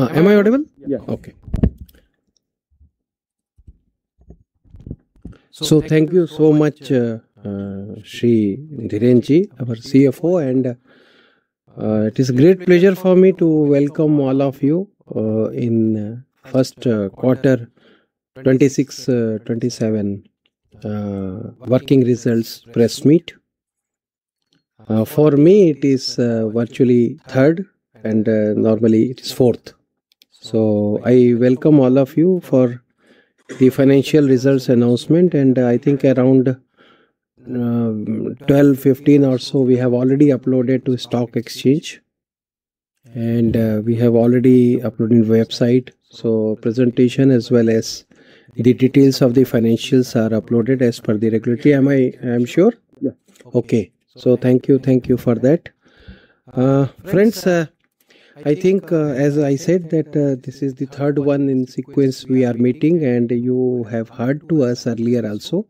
Am I audible? Yes. Thank you so much, Sri Dhirendra Jain, our Chief Financial Officer, and it is a great pleasure for me to welcome all of you in first quarter 2026-2027 working results press meet. For me, it is virtually third and normally it is fourth. I welcome all of you for the financial results announcement and I think around 12:15 P.M or so, we have already uploaded to stock exchange and we have already uploaded website, so presentation as well as the details of the financials are uploaded as per the regulatory. I am sure? Yeah. Thank you for that. Friends, I think, as I said that this is the third one in sequence we are meeting and you have heard to us earlier also.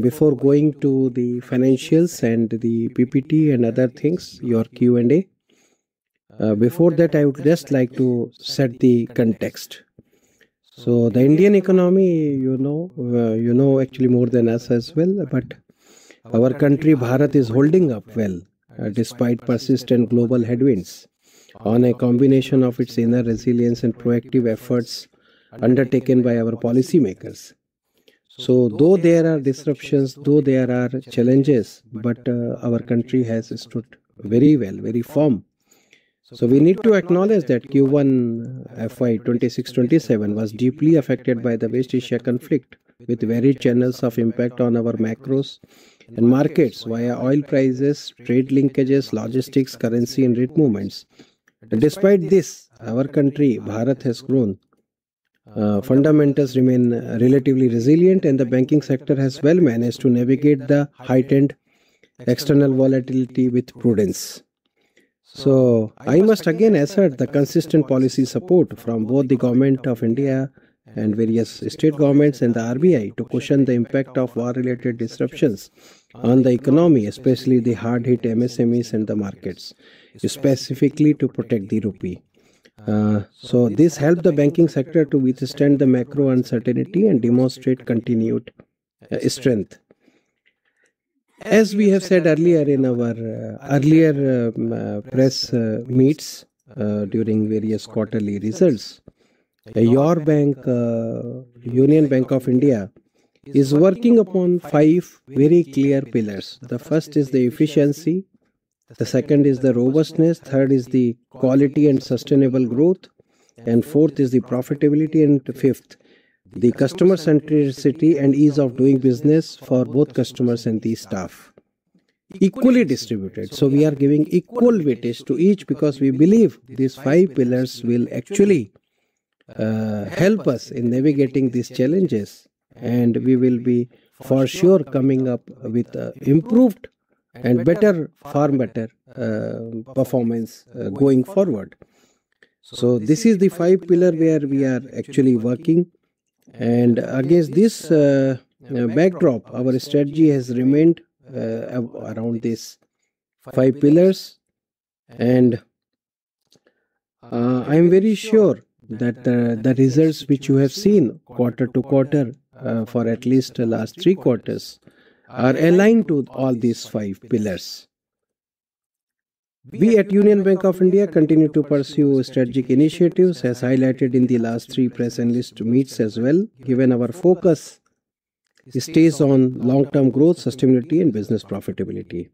Before going to the financials and the PPT and other things, your Q&A, before that, I would just like to set the context. The Indian economy, you know actually more than us as well, but our country, Bharat, is holding up well, despite persistent global headwinds on a combination of its inner resilience and proactive efforts undertaken by our policymakers. Though there are disruptions, though there are challenges, but our country has stood very well, very firm. We need to acknowledge that Q1 FY 2026-2027 was deeply affected by the West Asia conflict, with varied channels of impact on our macros and markets via oil prices, trade linkages, logistics, currency and rate movements. Despite this, our country, Bharat, has grown. Fundamentals remain relatively resilient, and the banking sector has well managed to navigate the heightened external volatility with prudence. I must again assert the consistent policy support from both the Government of India and various state governments and the RBI to cushion the impact of war-related disruptions on the economy, especially the hard-hit MSMEs and the markets, specifically to protect the rupee. This helped the banking sector to withstand the macro uncertainty and demonstrate continued strength. As we have said earlier in our earlier press meets during various quarterly results, your bank, Union Bank of India, is working upon five very clear pillars. The first is the efficiency, the second is the robustness, third is the quality and sustainable growth, fourth is the profitability, and fifth, the customer centricity and ease of doing business for both customers and the staff, equally distributed. We are giving equal weightage to each because we believe these five pillars will actually help us in navigating these challenges, and we will be for sure coming up with improved and far better performance going forward. This is the five pillar where we are actually working and against this backdrop, our strategy has remained around these five pillars and I am very sure that the results which you have seen quarter to quarter for at least the last three quarters are aligned to all these five pillars. We at Union Bank of India continue to pursue strategic initiatives as highlighted in the last three press analyst meets as well. Given our focus, it stays on long-term growth, sustainability and business profitability.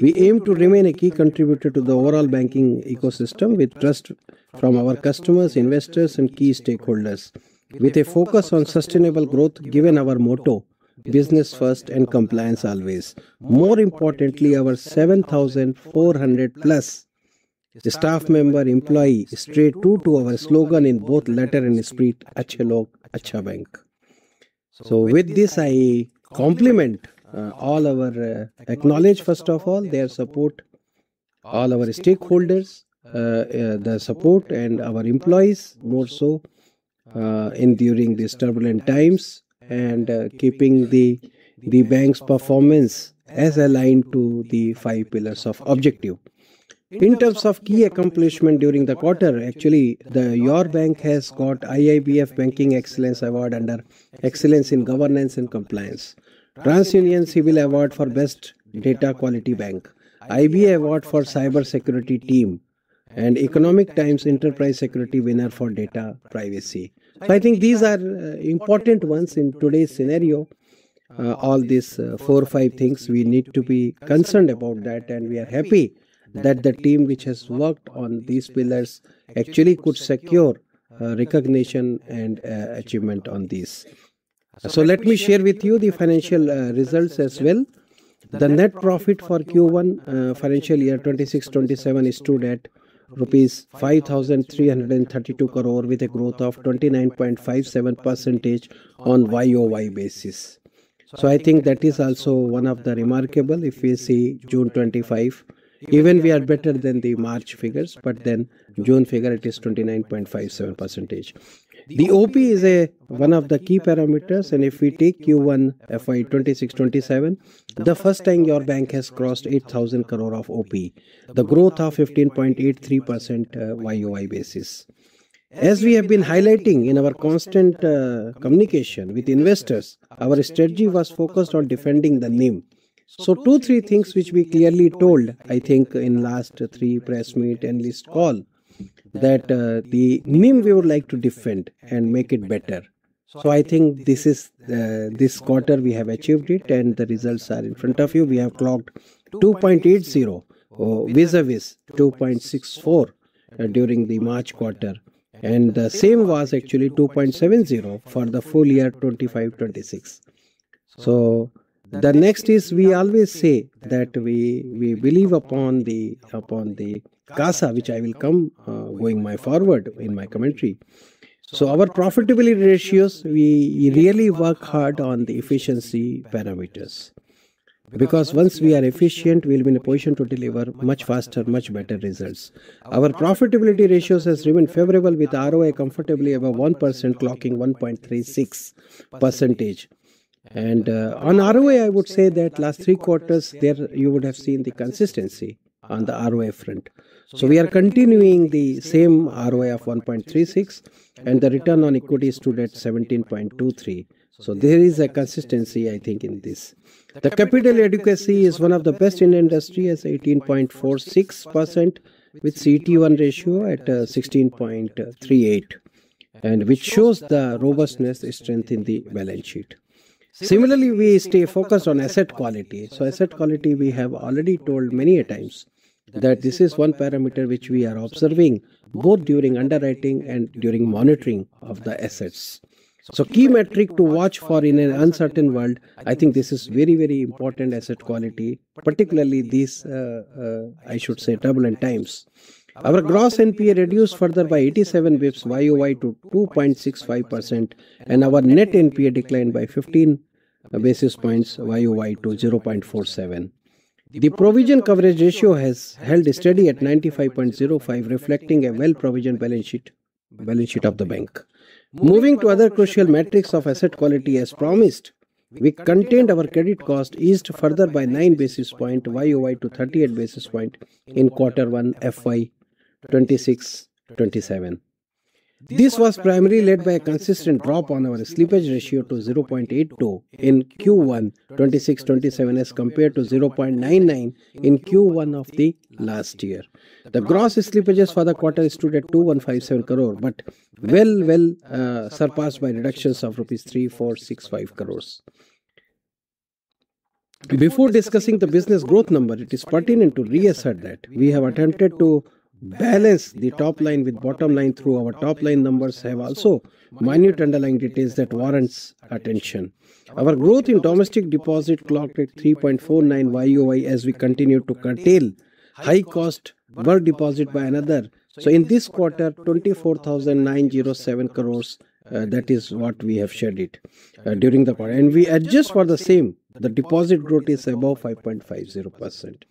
We aim to remain a key contributor to the overall banking ecosystem with trust from our customers, investors and key stakeholders. With a focus on sustainable growth given our motto, business first and compliance always. More importantly, our 7,400 plus staff member, employee stay true to our slogan in both letter and spirit, "Achhe Log Achha Bank." With this, I acknowledge, first of all, their support, all our stakeholders, the support and our employees more so, enduring these turbulent times and keeping the bank's performance as aligned to the five pillars of objective. In terms of key accomplishment during the quarter, actually, your bank has got IIBF Banking Excellence award under excellence in governance and compliance. TransUnion CIBIL award for best data quality bank, IBA award for cybersecurity team, and The Economic Times Enterprise Security winner for data privacy. I think these are important ones in today's scenario. All these four or five things, we need to be concerned about that, and we are happy that the team which has worked on these pillars actually could secure recognition and achievement on these. Let me share with you the financial results as well. The net profit for Q1 FY 2026-2027 stood at rupees 5,332 crore with a growth of 29.57% on year-over-year basis. I think that is also one of the remarkable, if we see June 2025. Even we are better than the March figures, June figure it is 29.57%. The OP is one of the key parameters, and if we take Q1 FY 2026-2027, the first time your bank has crossed 8,000 crore of OP. The growth of 15.83% year-over-year basis. As we have been highlighting in our constant communication with investors, our strategy was focused on defending the NIM. Two, three things which we clearly told, I think in last three press meet analyst call, that the NIM we would like to defend and make it better. I think this quarter we have achieved it and the results are in front of you. We have clocked 2.80% vis-a-vis 2.64% during the March quarter, and the same was actually 2.70% for the full year 2025/2026. The next is we always say that we believe upon the CASA, which I will come going forward in my commentary. Our profitability ratios, we really work hard on the efficiency parameters, because once we are efficient, we will be in a position to deliver much faster, much better results. Our profitability ratios has remained favorable with ROA comfortably above 1%, clocking 1.36%. On ROA, I would say that last three quarters there you would have seen the consistency on the ROA front. We are continuing the same ROA of 1.36 and the return on equity stood at 17.23. There is a consistency I think in this. The capital adequacy is one of the best in the industry as 18.46%, with CET1 ratio at 16.38, which shows the robustness strength in the balance sheet. Similarly, we stay focused on asset quality. Asset quality, we have already told many a times that this is one parameter which we are observing both during underwriting and during monitoring of the assets. Key metric to watch for in an uncertain world, I think this is very important asset quality, particularly these, I should say, turbulent times. Our gross NPA reduced further by 87 basis points year-over-year to 2.65%, and our net NPA declined by 15 basis points year-over-year to 0.47. The provision coverage ratio has held steady at 95.05, reflecting a well-provisioned balance sheet of the bank. Moving to other crucial metrics of asset quality as promised, we contained our credit cost eased further by 9 basis points year-over-year to 38 basis points in quarter one FY 2026/2027. This was primarily led by a consistent drop on our slippage ratio to 0.82 in Q1 2026/2027 as compared to 0.99 in Q1 of the last year. The gross slippages for the quarter stood at 2,157 crore, but well surpassed by reductions of rupees 3,465 crores. Before discussing the business growth number, it is pertinent to reassert that we have attempted to balance the top line with bottom line through our top line numbers have also minute underlying details that warrants attention. Our growth in domestic deposit clocked at 3.49% year-over-year as we continue to curtail high cost bulk deposit by another. In this quarter, 24,907 crores, that is what we have shed it during the quarter. We adjust for the same, the deposit growth is above 5.50%.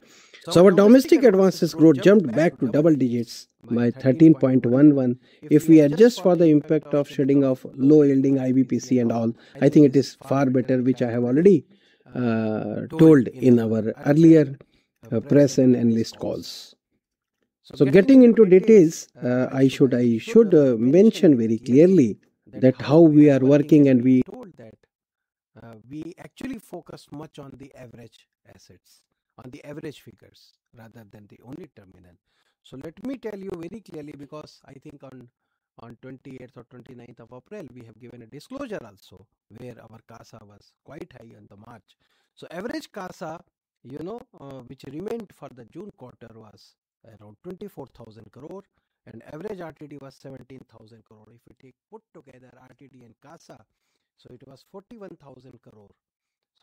Our domestic advances growth jumped back to double digits by 13.11%. If we adjust for the impact of shedding of low yielding IBPC and all, I think it is far better, which I have already told in our earlier press and analyst calls. Getting into details, I should mention very clearly that how we are working and we told that we actually focus much on the average assets, on the average figures rather than the only terminal. Let me tell you very clearly, because I think on 28th or 29th of April, we have given a disclosure also where our CASA was quite high in the March. Average CASA, which remained for the June quarter was around 24,000 crore, and average RTD was 17,000 crore. If we take put together RTD and CASA, it was 41,000 crore.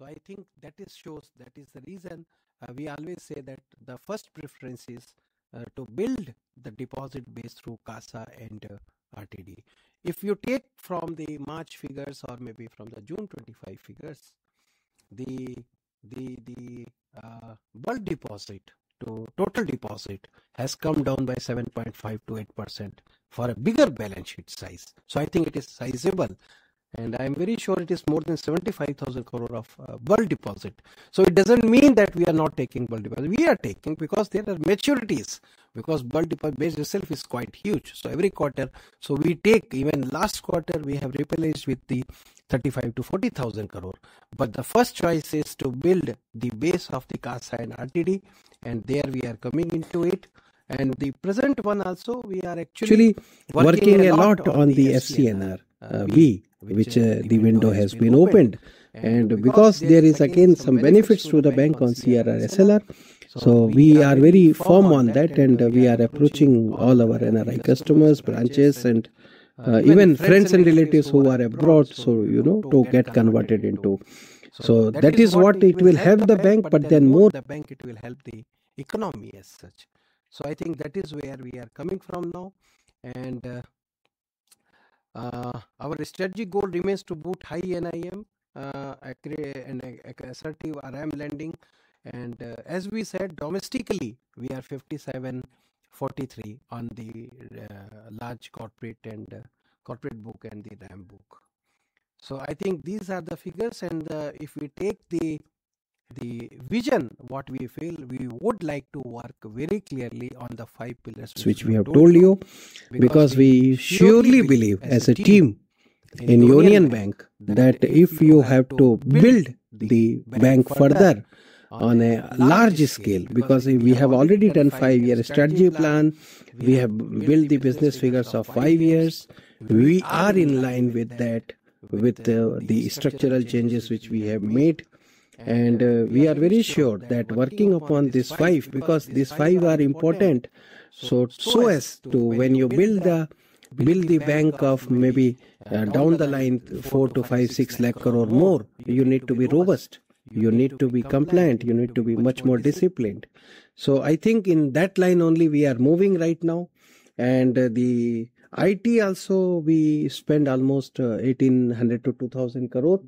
I think that is the reason we always say that the first preference is to build the deposit base through CASA and RTD. If you take from the March figures or maybe from the June 2025 figures, the bulk deposit to total deposit has come down by 7.5%-8% for a bigger balance sheet size. I think it is sizable, and I'm very sure it is more than 75,000 crore of bulk deposit. It doesn't mean that we are not taking bulk deposit. We are taking because there are maturities, because bulk deposit base itself is quite huge. Every quarter, we take even last quarter, we have replenished with 35,000 crore-40,000 crore. But the first choice is to build the base of the CASA and RTD, and there we are coming into it. The present one also, we are actually working a lot on the FCNR which the window has been opened. Because there is again some benefits to the bank on CRR, SLR, we are very firm on that, and we are approaching all our NRI customers, branches, and even friends and relatives who are abroad, you know, to get converted into. That is what it will help the bank, more the bank it will help the economy as such. I think that is where we are coming from now, and our strategic goal remains to boot high NIM, and assertive RM lending. As we said, domestically, we are 57/43 on the large corporate book and the RM book. I think these are the figures, and if we take the vision, what we feel, we would like to work very clearly on the five pillars which we have told you, because we surely believe as a team in Union Bank that if you have to build the bank further on a large scale, because we have already done five-year strategy plan, we have built the business figures of five years. We are in line with that, with the structural changes which we have made. We are very sure that working upon these five, because these five are important, as to when you build the bank of maybe down the line four lakh crore-INR five lakh crore, six lakh crore or more, you need to be robust, you need to be compliant, you need to be much more disciplined. I think in that line only we are moving right now. The IT also, we spend almost 1,800 crore-2,000 crore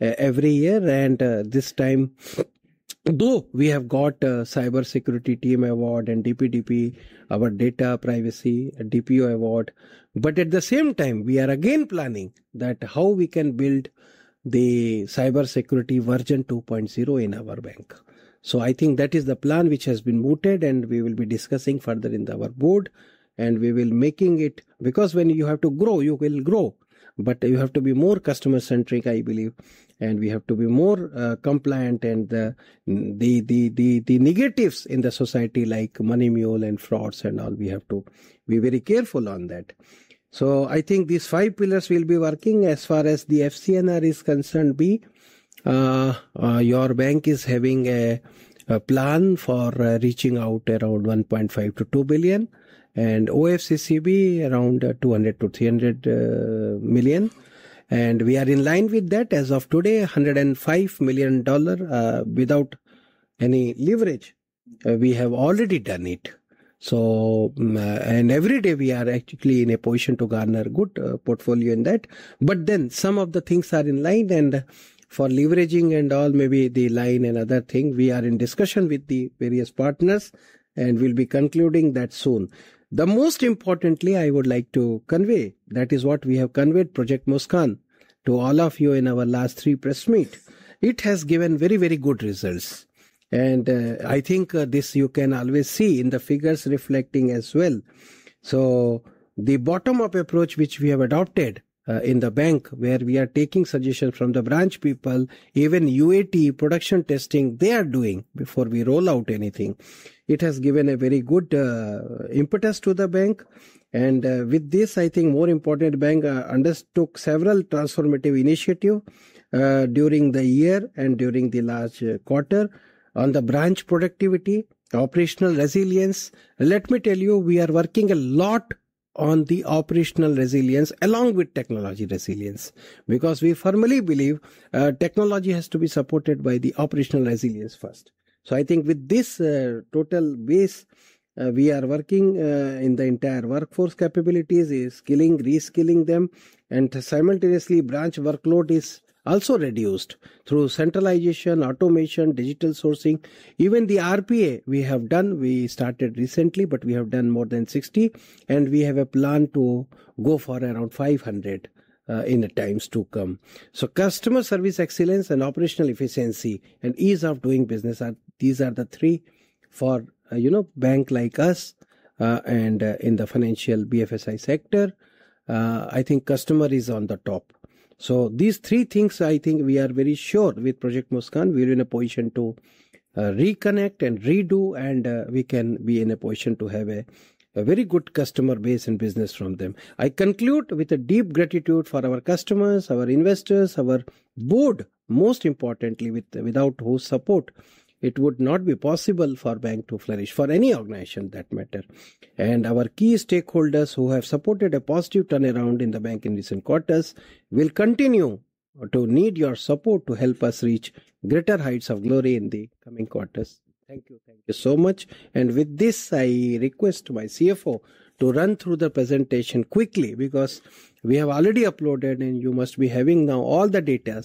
every year. This time, though we have got a cybersecurity team award and DPDP, our data privacy DPO award, at the same time, we are again planning that how we can build the cybersecurity version 2.0 in our bank. I think that is the plan which has been mooted, and we will be discussing further in our board, and we will make it. Because when you have to grow, you will grow, you have to be more customer-centric, I believe, and we have to be more compliant and the negatives in the society like money mule and frauds and all, we have to be very careful on that. I think these five pillars will be working. As far as the FCNR is concerned, Biju, your bank is having a plan for reaching out around $1.5 billion-$2 billion and OFCB around $200 million-$300 million. We are in line with that. As of today, $105 million without any leverage. We have already done it. Every day we are actually in a position to garner good portfolio in that. Some of the things are in line, and for leveraging and all, maybe the line and other thing, we are in discussion with the various partners and we will be concluding that soon. Most importantly, I would like to convey, that is what we have conveyed, Project Muskaan, to all of you in our last three press meet. It has given very good results. I think this you can always see in the figures reflecting as well. The bottom-up approach which we have adopted in the bank, where we are taking suggestions from the branch people, even UAT production testing they are doing before we roll out anything. It has given a very good impetus to the bank. With this, I think more important, bank undertook several transformative initiatives during the year and during the last quarter on the branch productivity, operational resilience. Let me tell you, we are working a lot on the operational resilience along with technology resilience, because we firmly believe technology has to be supported by the operational resilience first. I think with this total base, we are working in the entire workforce capabilities, skilling, reskilling them, and simultaneously branch workload is also reduced through centralization, automation, digital sourcing. Even the RPA we have done, we started recently, but we have done more than 60, and we have a plan to go for around 500 in the times to come. Customer service excellence and operational efficiency and ease of doing business are, these are the three for a bank like us, and in the financial BFSI sector, I think customer is on the top. These three things, I think we are very sure with Project Muskaan, we are in a position to reconnect and redo, and we can be in a position to have a very good customer base and business from them. I conclude with a deep gratitude for our customers, our investors, our board, most importantly, without whose support it would not be possible for bank to flourish, for any organization for that matter. Our key stakeholders who have supported a positive turnaround in the bank in recent quarters. We will continue to need your support to help us reach greater heights of glory in the coming quarters. Thank you. Thank you so much. With this, I request my Chief Financial Officer to run through the presentation quickly because we have already uploaded, and you must be having now all the data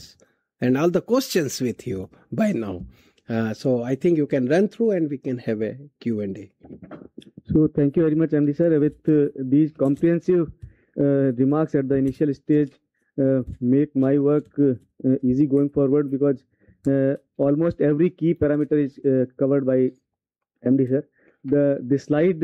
and all the questions with you by now. I think you can run through, and we can have a Q&A. Thank you very much, MD Sir, with these comprehensive remarks at the initial stage, make my work easy going forward because almost every key parameter is covered by MD Sir. The slide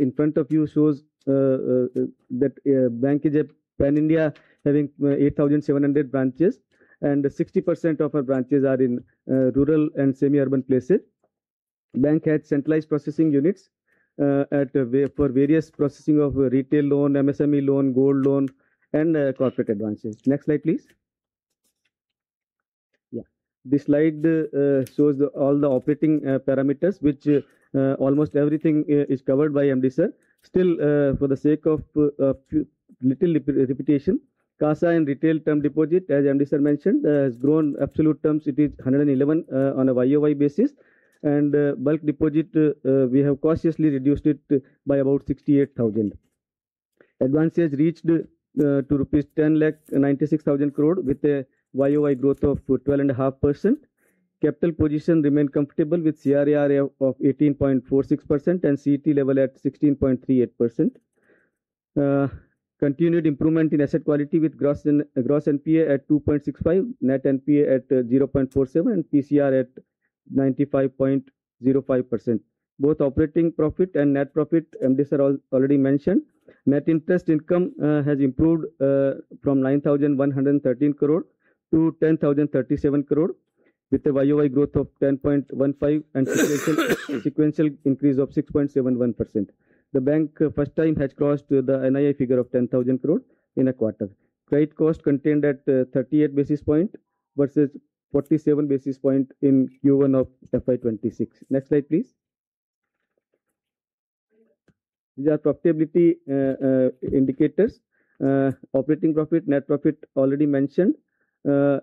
in front of you shows that bank is a pan-India having 8,700 branches, and 60% of our branches are in rural and semi-urban places. Bank has centralized processing units for various processing of retail loan, MSME loan, gold loan, and corporate advances. Next slide, please. This slide shows all the operating parameters, which almost everything is covered by MD Sir. Still, for the sake of little repetition, CASA and retail term deposit, as MD Sir mentioned, has grown absolute terms, it is 111 on a year-over-year basis. Bulk deposit, we have cautiously reduced it by about 68,000. Advances reached to rupees 1,096,000 crore with a year-over-year growth of 12.5%. Capital position remained comfortable with CRAR of 18.46% and CET level at 16.38%. Continued improvement in asset quality with gross NPA at 2.65%, net NPA at 0.47%, and PCR at 95.05%. Both operating profit and net profit, MD Sir already mentioned. Net interest income has improved from 9,113 crore to 10,037 crore with a year-over-year growth of 10.15% and sequential increase of 6.71%. The bank first time has crossed the NII figure of 10,000 crore in a quarter. Credit cost contained at 38 basis point versus 47 basis point in Q1 of FY 2026. Next slide, please. These are profitability indicators. Operating profit, net profit already mentioned.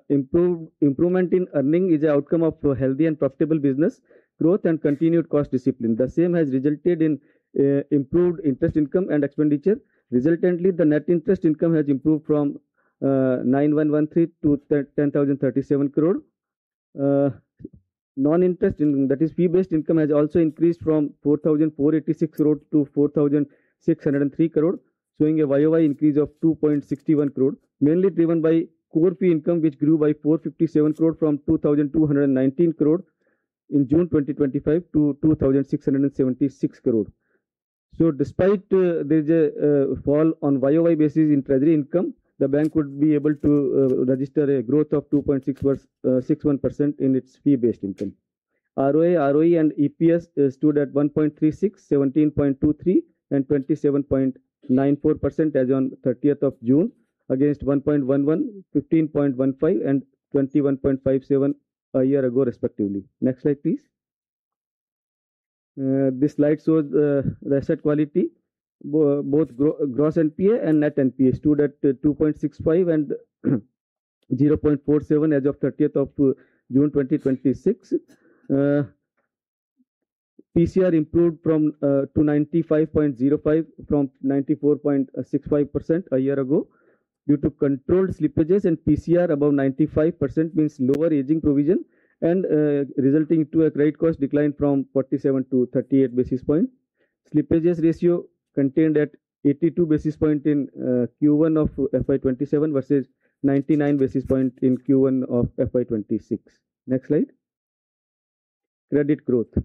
Improvement in earning is an outcome of healthy and profitable business growth and continued cost discipline. The same has resulted in improved interest income and expenditure. Resultantly, the net interest income has improved from 9,113 crore-10,037 crore. Non-interest, that is fee-based income, has also increased from 4,486 crore-4,603 crore, showing a year-over-year increase of 2.61 crore, mainly driven by core fee income, which grew by 457 crore from 2,219 crore in June 2025 to 2,676 crore. Despite there's a fall on year-over-year basis in treasury income, the bank would be able to register a growth of 2.61% in its fee-based income. ROA, ROE and EPS stood at 1.36, 17.23, and 27.94% as on 30th of June against 1.11, 15.15, and 21.57 a year ago respectively. Next slide, please. This slide shows the asset quality, both gross NPA and net NPA stood at 2.65% and 0.47% as of 30th of June 2026. PCR improved to 95.05% from 94.65% a year ago due to controlled slippages and PCR above 95% means lower aging provision and resulting to a great cost decline from 47 basis point-38 basis point. Slippages ratio contained at 82 basis point in Q1 of FY 2027 versus 99 basis point in Q1 of FY 2026. Next slide. Credit growth.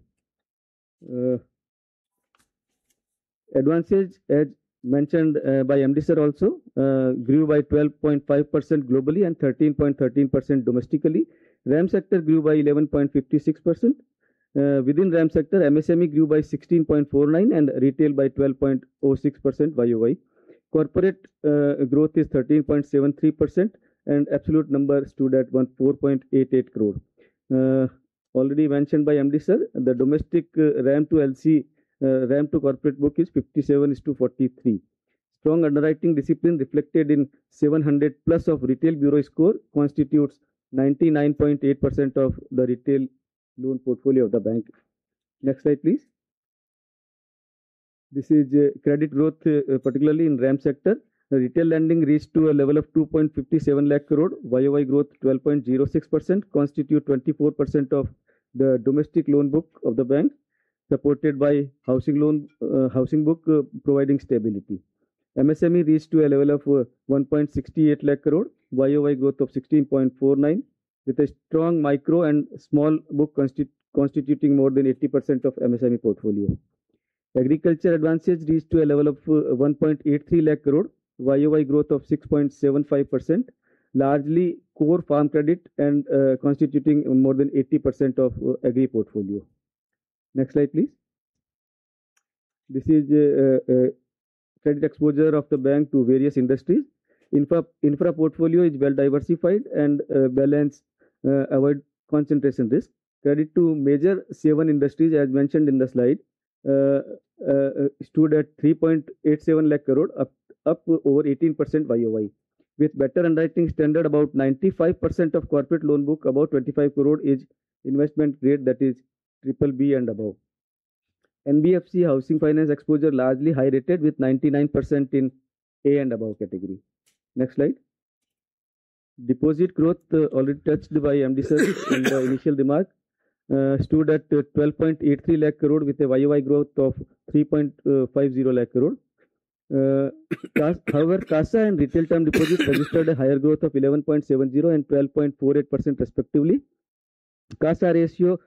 Advances, as mentioned by MD Sir also, grew by 12.5% globally and 13.13% domestically. RAM sector grew by 11.56%. Within RAM sector, MSME grew by 16.49% and retail by 12.06% year-over-year. Corporate growth is 13.73% and absolute number stood at 4.88 crore. Already mentioned by MD Sir, the domestic RAM to LC, RAM to corporate book is 57:43. Strong underwriting discipline reflected in 700+ of retail bureau score constitutes 99.8% of the retail loan portfolio of the bank. Next slide, please. This is credit growth, particularly in RAM sector. The retail lending reached to a level of 2.57 lakh crore, year-over-year growth 12.06%, constitute 24% of the domestic loan book of the bank, supported by housing book providing stability. MSME reached to a level of 1.68 lakh crore, year-over-year growth of 16.49%, with a strong micro and small book constituting more than 80% of MSME portfolio. Agriculture advances reached to a level of 1.83 lakh crore, year-over-year growth of 6.75%, largely core farm credit and constituting more than 80% of agri portfolio. Next slide, please. This is credit exposure of the bank to various industries. Infra portfolio is well diversified and balanced, avoid concentration risk. Credit to major seven industries, as mentioned in the slide, stood at 3.87 lakh crore, up over 18% year-over-year. With better underwriting standard, about 95% of corporate loan book, about 25 crore is investment grade, that is BBB and above. Deposit growth already touched by MD Sir in the initial remark, stood at 12.83 lakh crore with a year-over-year growth of 3.50 lakh crore. However, CASA and retail term deposits registered a higher growth of 11.70% and 12.48% respectively. CASA ratio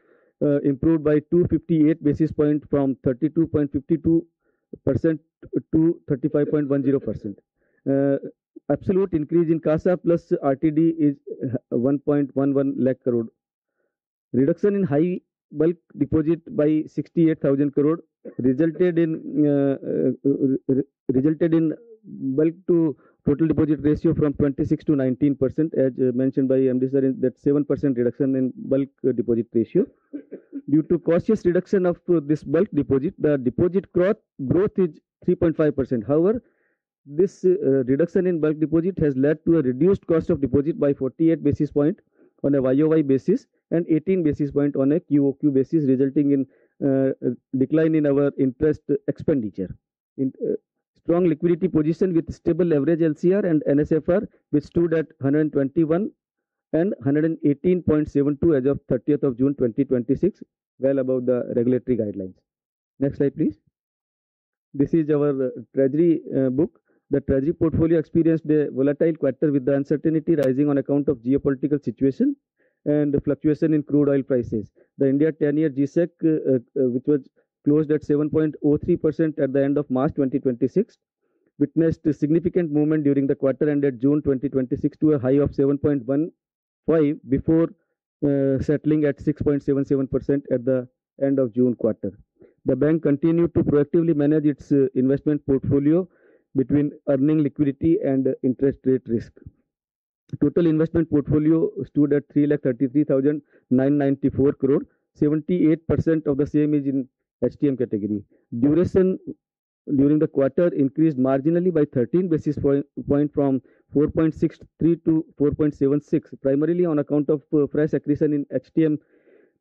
improved by 258 basis points from 32.52%-35.10%. Absolute increase in CASA plus RTD is 1.11 lakh crore. Reduction in high bulk deposit by 68,000 crore resulted in bulk to total deposit ratio from 26%-19%, as mentioned by MD Sir in that 7% reduction in bulk deposit ratio. Due to cautious reduction of this bulk deposit, the deposit growth is 3.5%. However, this reduction in bulk deposit has led to a reduced cost of deposit by 48 basis points on a year-over-year basis and 18 basis points on a quarter-over-quarter basis resulting in a decline in our interest expenditure. Strong liquidity position with stable average LCR and NSFR, which stood at 121 and 118.72 as of June 30, 2026, well above the regulatory guidelines. Next slide, please. This is our treasury book. The treasury portfolio experienced a volatile quarter with the uncertainty rising on account of geopolitical situation and the fluctuation in crude oil prices. The India 10-year G-Sec, which was closed at 7.03% at the end of March 2026, witnessed a significant movement during the quarter ended June 2026 to a high of 7.15% before settling at 6.77% at the end of June quarter. The bank continued to proactively manage its investment portfolio between earning liquidity and interest rate risk. Total investment portfolio stood at 333,994 crore. 78% of the same is in HTM category. Duration during the quarter increased marginally by 13 basis points from 4.63-4.76, primarily on account of fresh accretion in HTM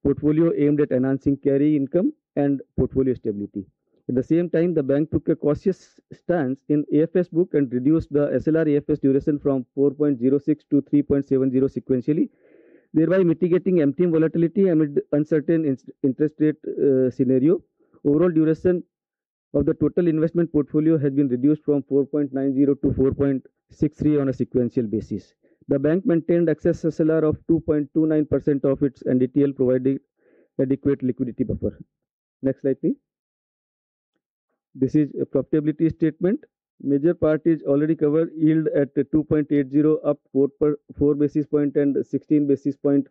portfolio aimed at enhancing carry income and portfolio stability. At the same time, the bank took a cautious stance in AFS book and reduced the SLR-AFS duration from 4.06-3.70 sequentially, thereby mitigating MTM volatility amid uncertain interest rate scenario. Overall duration of the total investment portfolio has been reduced from 4.90-4.63 on a sequential basis. The bank maintained excess SLR of 2.29% of its NDTL, providing adequate liquidity buffer. Next slide, please. This is a profitability statement. Major part is already covered, yield at 2.80% up four basis points and 16 basis points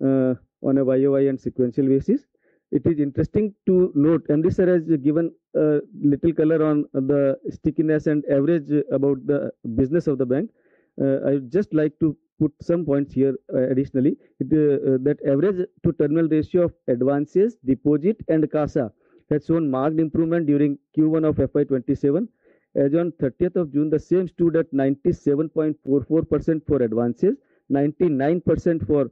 on a YoY and sequential basis. It is interesting to note, and this has given a little color on the stickiness and average about the business of the bank. I would just like to put some points here additionally. That average to terminal ratio of advances, deposit, and CASA has shown marked improvement during Q1 of FY 2027. As on 30th of June, the same stood at 97.44% for advances, 99% for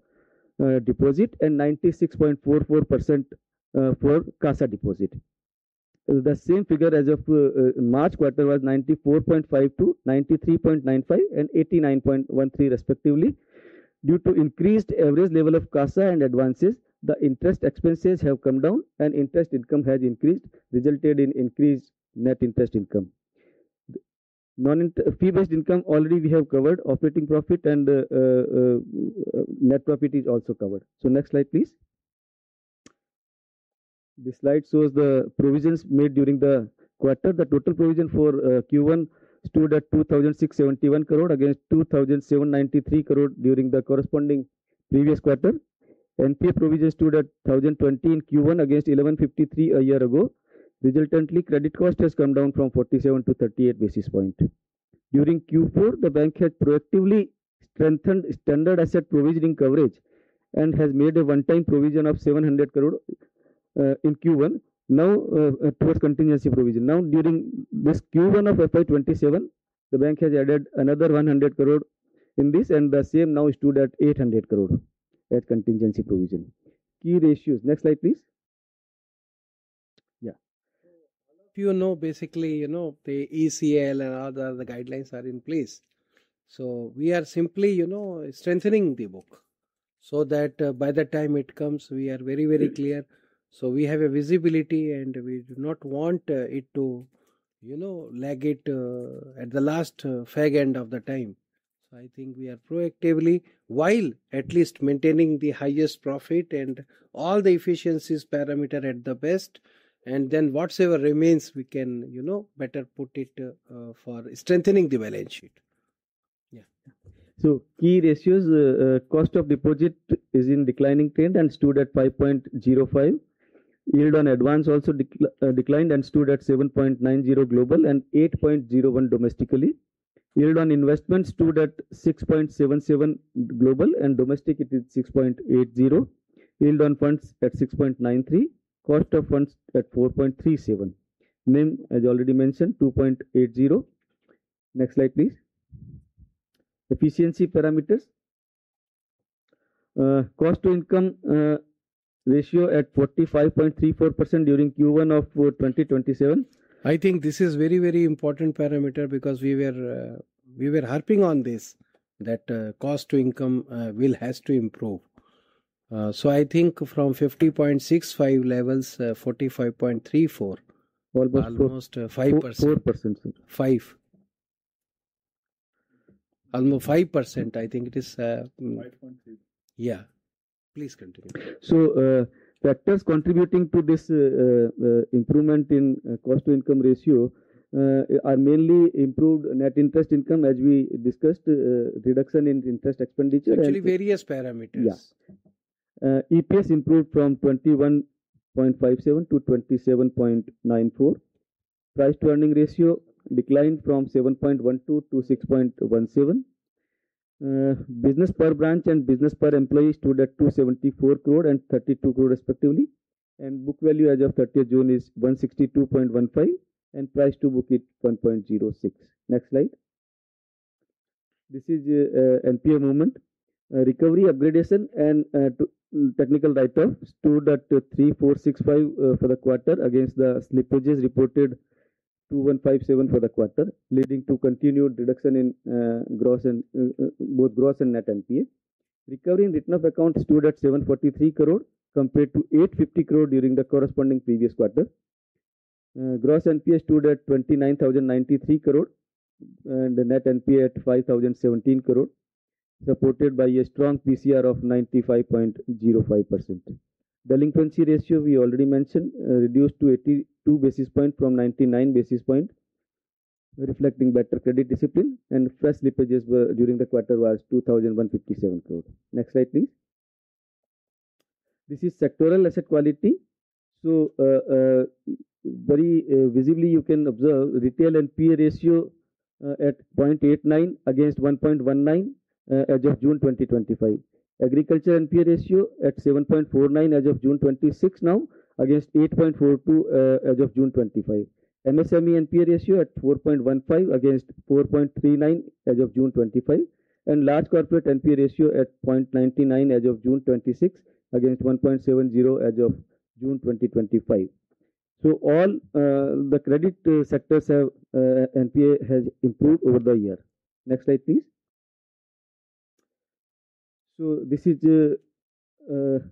deposit, and 96.44% for CASA deposit. The same figure as of March quarter was 94.52%, 93.95%, and 89.13% respectively. Due to increased average level of CASA and advances, the interest expenses have come down and interest income has increased, resulted in increased net interest income. Fee-based income already we have covered, operating profit and net profit is also covered. Next slide, please. This slide shows the provisions made during the quarter. The total provision for Q1 stood at 2,671 crore against 2,793 crore during the corresponding previous quarter. NPA provision stood at 1,020 crore in Q1 against 1,153 crore a year ago. Resultantly, credit cost has come down from 47 basis points-38 basis points. During Q4, the bank had proactively strengthened standard asset provisioning coverage and has made a one-time provision of 700 crore in Q1 towards contingency provision. Now, during this Q1 of FY 2027, the bank has added another 100 crore in this, and the same now stood at 800 crore as contingency provision. Key ratios. Next slide, please. Yeah. All of you know, basically, the ECL and other guidelines are in place. We are simply strengthening the book so that by the time it comes, we are very clear. We have a visibility, and we do not want it to lag at the last fag end of the time. I think we are proactively, while at least maintaining the highest profit and all the efficiencies parameter at the best, and then whatsoever remains we can better put it for strengthening the balance sheet. Key ratios, cost of deposit is in declining trend and stood at 5.05%. Yield on advance also declined and stood at 7.90% global and 8.01% domestically. Yield on investment stood at 6.77% global and domestic it is 6.80%. Yield on funds at 6.93%, cost of funds at 4.37%. NIM, as already mentioned, 2.80%. Next slide, please. Efficiency parameters. Cost to income ratio at 45.34% during Q1 of 2027. I think this is very important parameter because we were harping on this, that cost to income will has to improve. I think from 50.65% levels, 45.34%. Almost 4%. Almost 5%. 4%. Five. Almost 5%, I think it is. 5.3%. Yeah. Please continue. Factors contributing to this improvement in cost to income ratio are mainly improved net interest income, as we discussed, reduction in interest expenditure. Actually various parameters. Yeah. EPS improved from 21.57-27.94. Price to earning ratio declined from 7.12-6.17. Business per branch and business per employee stood at 274 crore and 32 crore respectively. Book value as of 30th June is 162.15. Price to book is 1.06. Next slide. This is NPA movement. Recovery upgradation and Technical Write-Off stood at 3,465 for the quarter against the slippages reported 2,157 for the quarter, leading to continued reduction in both gross and net NPA. Recovery and written off accounts stood at 743 crore compared to 850 crore during the corresponding previous quarter. Gross NPA stood at 29,093 crore and the net NPA at 5,017 crore, supported by a strong PCR of 95.05%. Delinquency ratio, we already mentioned, reduced to 82 basis point from 99 basis point, reflecting better credit discipline. Fresh slippages during the quarter was 2,157 crore. Next slide, please. This is sectoral asset quality. very visibly you can observe retail NPA ratio at 0.89 against 1.19 as of June 2025. Agriculture NPA ratio at 7.49 as of June 26 now against 8.42 as of June 25. MSME NPA ratio at 4.15 against 4.39 as of June 25. large corporate NPA ratio at 0.99 as of June 26 against 1.70 as of June 2025. all the credit sectors NPA has improved over the year. Next slide, please. this is our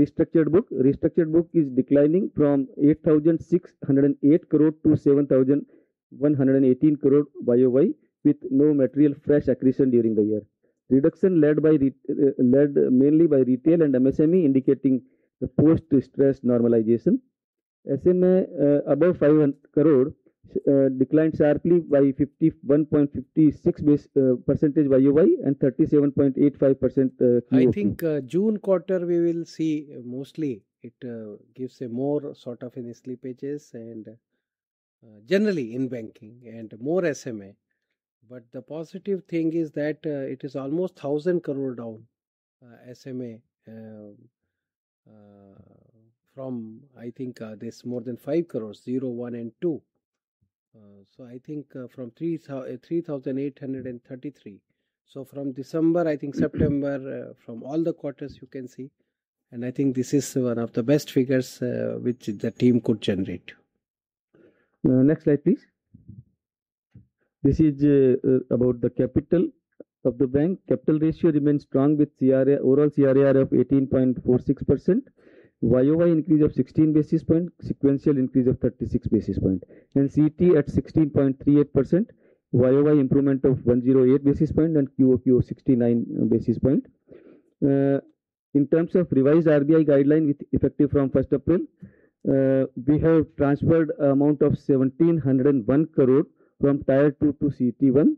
restructured book. Restructured book is declining from 8,608 crore-7,118 crore year-over-year, with no material fresh accretion during the year. Reduction led mainly by retail and MSME, indicating the post-stress normalization. SMA above 500 crore declined sharply by 51.56% year-over-year and 37.85% quarter-over-quarter. I think June quarter, we will see mostly it gives a more sort of slippages and generally in banking and more SMA. the positive thing is that it is almost 1,000 crore down SMA from, I think, this more than 5 crore, zero, one and two. I think from 3,833 crore. from December, I think September, from all the quarters you can see, this is one of the best figures which the team could generate. Next slide, please. This is about the capital of the bank. Capital ratio remains strong with overall CRAR of 18.46%, year-over-year increase of 16 basis points, sequential increase of 36 basis points, CET1 at 16.38%, year-over-year improvement of 108 basis points and quarter-over-quarter of 69 basis points. In terms of revised RBI guideline effective from April 1st, we have transferred amount of 1,701 crore from Tier 2 to CET1,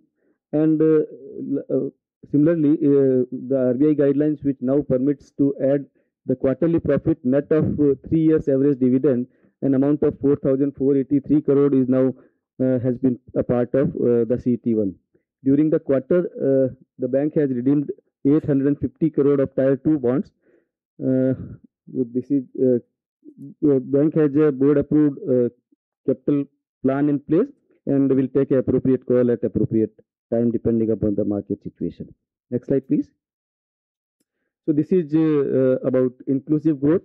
similarly, the RBI guidelines which now permits to add the quarterly profit net of three years average dividend, an amount of 4,483 crore now has been a part of the CET1. During the quarter, the bank has redeemed 850 crore of Tier 2 bonds. Bank has a board-approved capital plan in place and will take appropriate call at appropriate time depending upon the market situation. Next slide, please. this is about inclusive growth.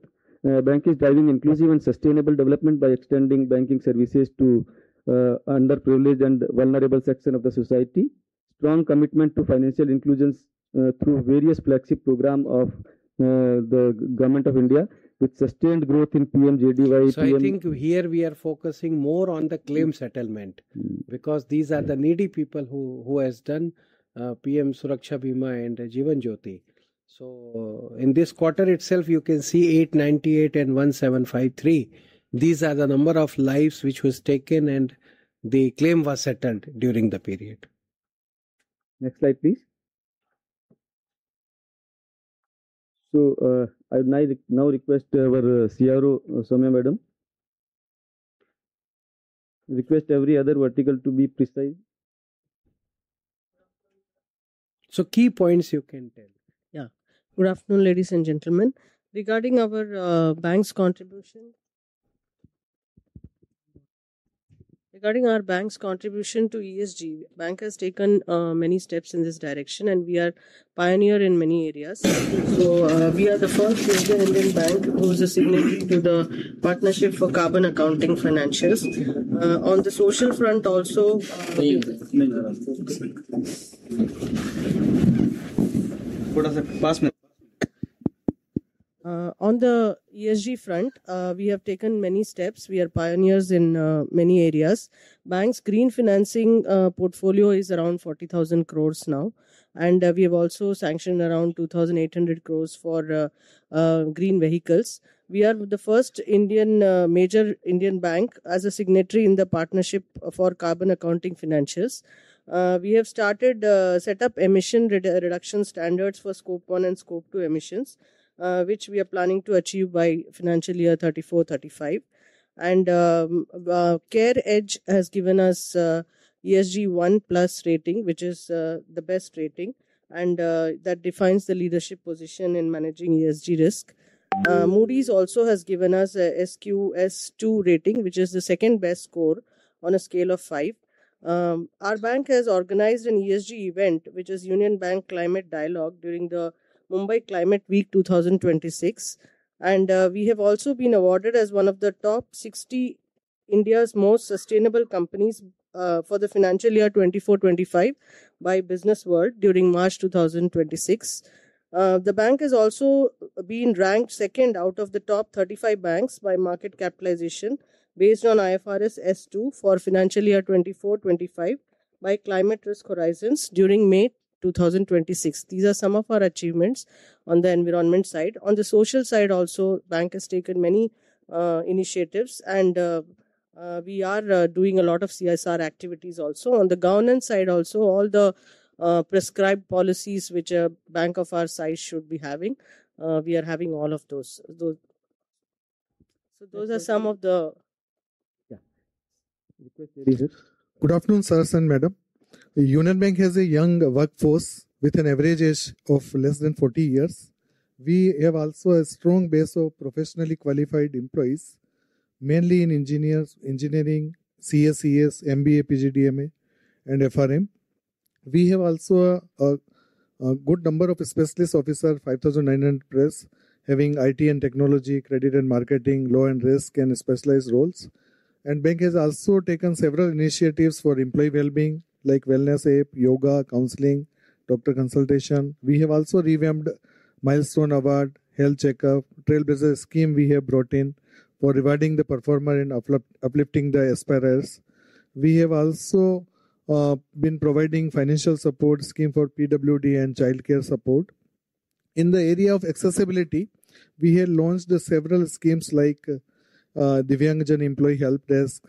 Bank is driving inclusive and sustainable development by extending banking services to underprivileged and vulnerable section of the society. Strong commitment to financial inclusion through various flagship programs of the Government of India with sustained growth in PMJDY, PM. I think here we are focusing more on the claim settlement because these are the needy people who has done PM Suraksha Bima and Jeevan Jyoti. In this quarter itself, you can see 898 and 1,753. These are the number of lives which was taken, and the claim was settled during the period. Next slide, please. I now request our Chief Risk Officer, Sowmya Madam. Request every other vertical to be precise. Key points you can tell. Good afternoon, ladies and gentlemen. Regarding our Bank's contribution to ESG, Bank has taken many steps in this direction, and we are pioneer in many areas. We are the first major Indian bank who is a signatory to the Partnership for Carbon Accounting Financials. On the social front also. No. Hold on a second. Last minute. On the ESG front, we have taken many steps. We are pioneers in many areas. Bank's green financing portfolio is around 40,000 crore now, and we have also sanctioned around 2,800 crore for green vehicles. We are the first major Indian bank as a signatory in the Partnership for Carbon Accounting Financials. We have started set up emission reduction standards for Scope 1 and Scope 2 emissions, which we are planning to achieve by financial year 2034-2035. CARE Edge has given us ESG 1+ rating, which is the best rating, and that defines the leadership position in managing ESG risk. Moody's also has given us an SQS2 rating, which is the second-best score on a scale of five. Our bank has organized an ESG event which is Union Bank Climate Dialogue during the Mumbai Climate Week 2026, and we have also been awarded as one of the top 60 India's Most Sustainable Companies for the financial year 2024-2025 by Businessworld during March 2026. The bank has also been ranked second out of the top 35 banks by market capitalization based on IFRS S2 for financial year 2024-2025 by Climate Risk Horizons during May 2026. These are some of our achievements on the environment side. On the social side also, bank has taken many initiatives and we are doing a lot of CSR activities also. On the governance side also, all the prescribed policies which a bank of our size should be having, we are having all of those. So those are some of the. Good afternoon, sirs and madam. Union Bank has a young workforce with an average age of less than 40 years. We have also a strong base of professionally qualified employees, mainly in engineering, CS, ES, MBA, PGDBM, and FRM. We have also a good number of specialist officer, 5,900+, having IT and technology, credit and marketing, law and risk, and specialized roles. And bank has also taken several initiatives for employee wellbeing, like wellness app, yoga, counseling, doctor consultation. We have also revamped Milestone Award, health checkup, trailblazer scheme we have brought in for rewarding the performer in uplifting the aspirers. We have also been providing financial support scheme for PWD and childcare support. In the area of accessibility, we have launched several schemes like Divyangjan employee help desk,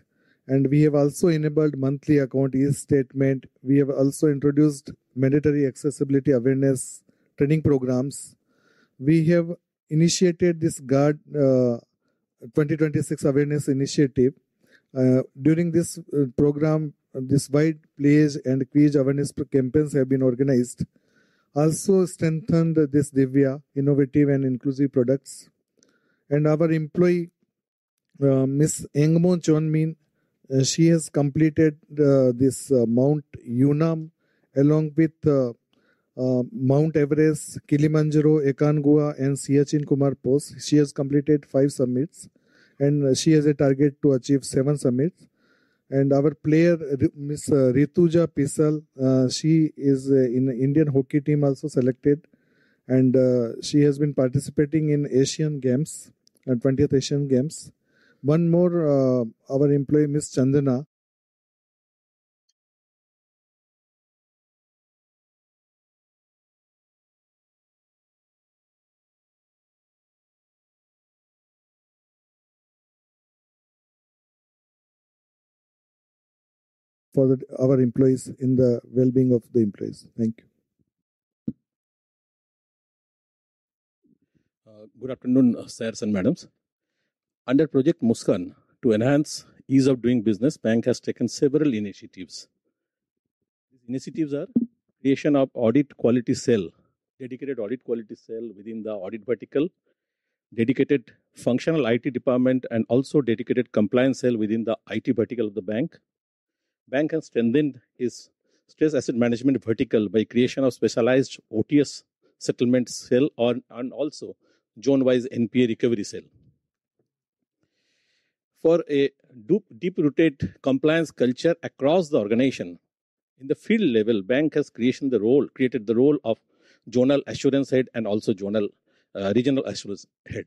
and we have also enabled monthly account eStatement. We have also introduced mandatory accessibility awareness training programs. We have initiated this GUARD 2026 awareness initiative. During this program, this white plays and quiz awareness campaigns have been organized, also strengthened this Divya innovative and inclusive products. Our employee, Ms. Engmon Chonmin, she has completed this Mount Yunam along with Mount Everest, Kilimanjaro, Aconcagua, and Siachen Kumar Post. She has completed five summits, she has a target to achieve seven summits. Our player, Ms. Rutuja Pisal, she is in Indian hockey team also selected, she has been participating in Asian Games, at 20th Asian Games. One more, our employee, Ms. Chandana. For our employees in the wellbeing of the employees. Thank you. Good afternoon, sirs and madams. Under Project Muskaan, to enhance ease of doing business, bank has taken several initiatives. These initiatives are creation of audit quality cell, dedicated audit quality cell within the audit vertical, dedicated functional IT department, also dedicated compliance cell within the IT vertical of the bank. Bank has strengthened its stress asset management vertical by creation of specialized OTS settlement cell also zone-wise NPA recovery cell. For a deep-rooted compliance culture across the organization, in the field level, bank has created the role of zonal assurance head also regional assurance head.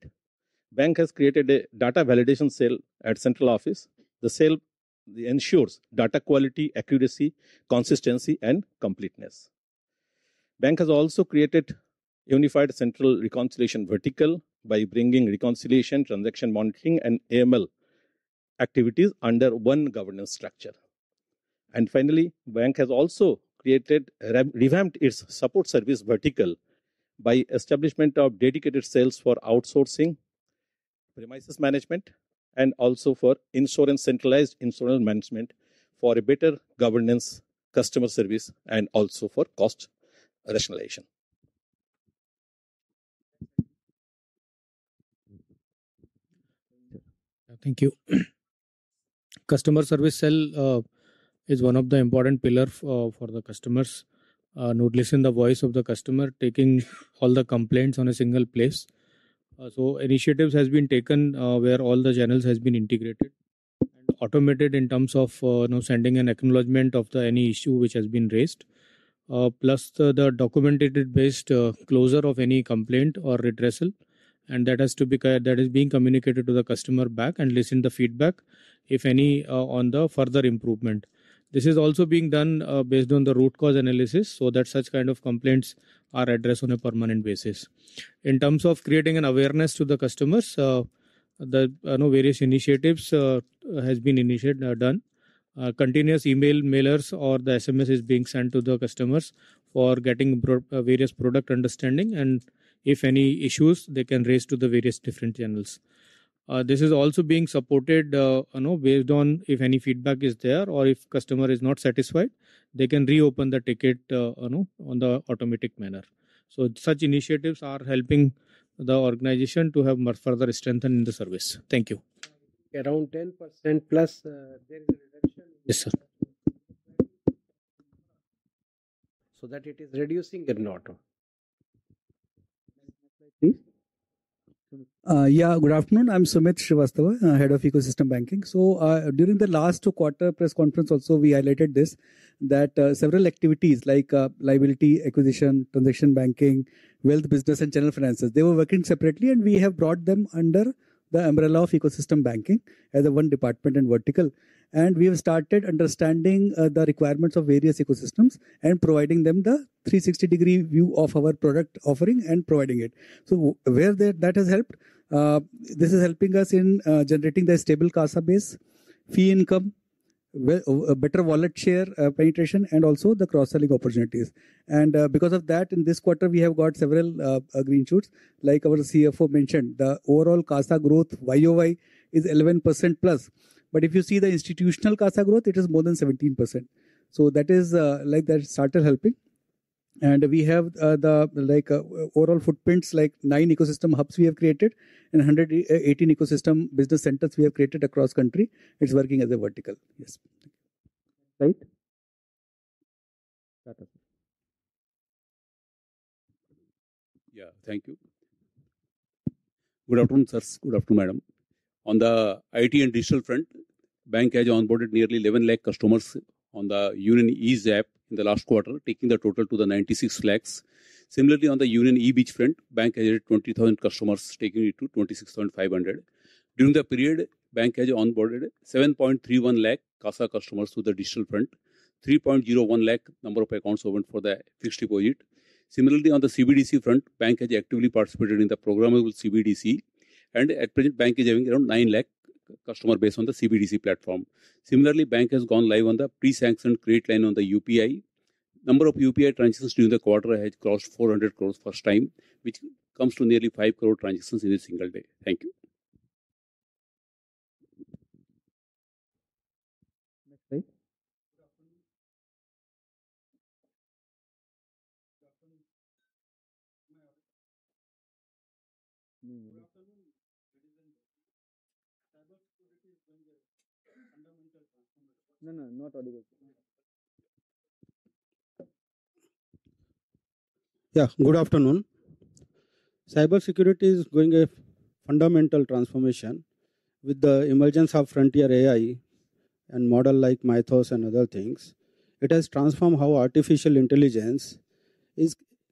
Bank has created a data validation cell at central office. The cell ensures data quality, accuracy, consistency, and completeness. Bank has also created unified central reconciliation vertical by bringing reconciliation, transaction monitoring, and AML activities under one governance structure. Finally, bank has also revamped its support service vertical by establishment of dedicated cells for outsourcing, premises management, and also for insurance centralized insurance management for a better governance customer service and also for cost rationalization. Thank you. Customer service cell is one of the important pillar for the customers, noticing the voice of the customer, taking all the complaints on a single place. Initiatives has been taken where all the channels has been integrated and automated in terms of sending an acknowledgment of any issue which has been raised, plus the documented-based closure of any complaint or redressal, that is being communicated to the customer back and listen the feedback, if any, on the further improvement. This is also being done based on the root cause analysis, so that such kind of complaints are addressed on a permanent basis. In terms of creating an awareness to the customers, various initiatives has been done. Continuous email mailers or the SMS is being sent to the customers for getting various product understanding, and if any issues, they can raise to the various different channels. This is also being supported based on if any feedback is there or if customer is not satisfied, they can reopen the ticket on the automatic manner. Such initiatives are helping the organization to have much further strengthen in the service. Thank you. Around 10%+, there is a reduction. Yes, sir That it is reducing or not. Next slide, please. Good afternoon. I am Sumit Srivastava, head of Ecosystem Banking. During the last two quarter press conference also, we highlighted this, that several activities like liability acquisition, transition banking, wealth business, and general finances, they were working separately and we have brought them under the umbrella of Ecosystem Banking as one department and vertical. We have started understanding the requirements of various ecosystems and providing them the 360-degree view of our product offering and providing it. Where that has helped, this is helping us in generating the stable CASA base, fee income, better wallet share penetration, and also the cross-selling opportunities. Because of that, in this quarter, we have got several green shoots. Like our CFO mentioned, the overall CASA growth year-over-year is 11%+. If you see the institutional CASA growth, it is more than 17%. That has started helping. We have overall footprints, nine ecosystem hubs we have created and 118 ecosystem business centers we have created across country. It is working as a vertical. Yes. Right. Satish. Thank you. Good afternoon, sirs. Good afternoon, madam. On the IT and digital front, bank has onboarded nearly 11 lakh customers on the Union ease app in the last quarter, taking the total to the 96 lakh. Similarly, on the Union e-biz front, bank added 20,000 customers, taking it to 26,500. During the period, bank has onboarded 7.31 lakh CASA customers to the digital front, 3.01 lakh number of accounts opened for the fixed deposit. Similarly, on the CBDC front, bank has actively participated in the programmable CBDC, and at present, bank is having around 9 lakh customer base on the CBDC platform. Similarly, bank has gone live on the pre-sanctioned credit line on the UPI. Number of UPI transactions during the quarter has crossed 400 crore first time, which comes to nearly 5 crore transactions in a single day. Thank you. Next slide. Good afternoon. Good afternoon. Good afternoon, ladies and gentlemen. Cybersecurity is going a fundamental transformation. No, not audible. Good afternoon. Cybersecurity is going a fundamental transformation with the emergence of frontier AI and model like Mythos and other things. It has transformed how artificial intelligence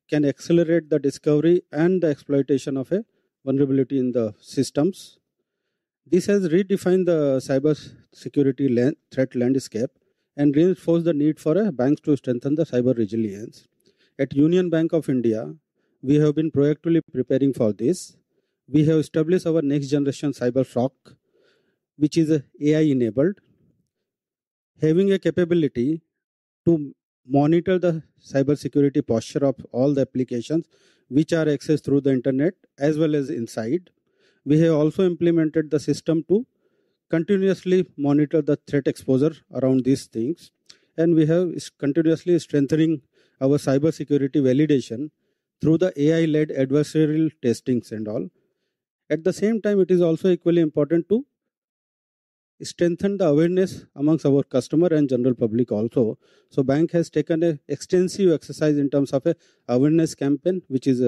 can accelerate the discovery and the exploitation of a vulnerability in the systems. This has redefined the cybersecurity threat landscape and reinforced the need for a bank to strengthen the cyber resilience. At Union Bank of India, we have been proactively preparing for this. We have established our next-generation cyber SOC, which is AI-enabled, having a capability to monitor the cybersecurity posture of all the applications which are accessed through the internet as well as inside. We have also implemented the system to continuously monitor the threat exposure around these things. We have continuously strengthening our cybersecurity validation through the AI-led adversarial testings and all. It is also equally important to strengthen the awareness amongst our customer and general public also. Bank has taken an extensive exercise in terms of awareness campaign, which is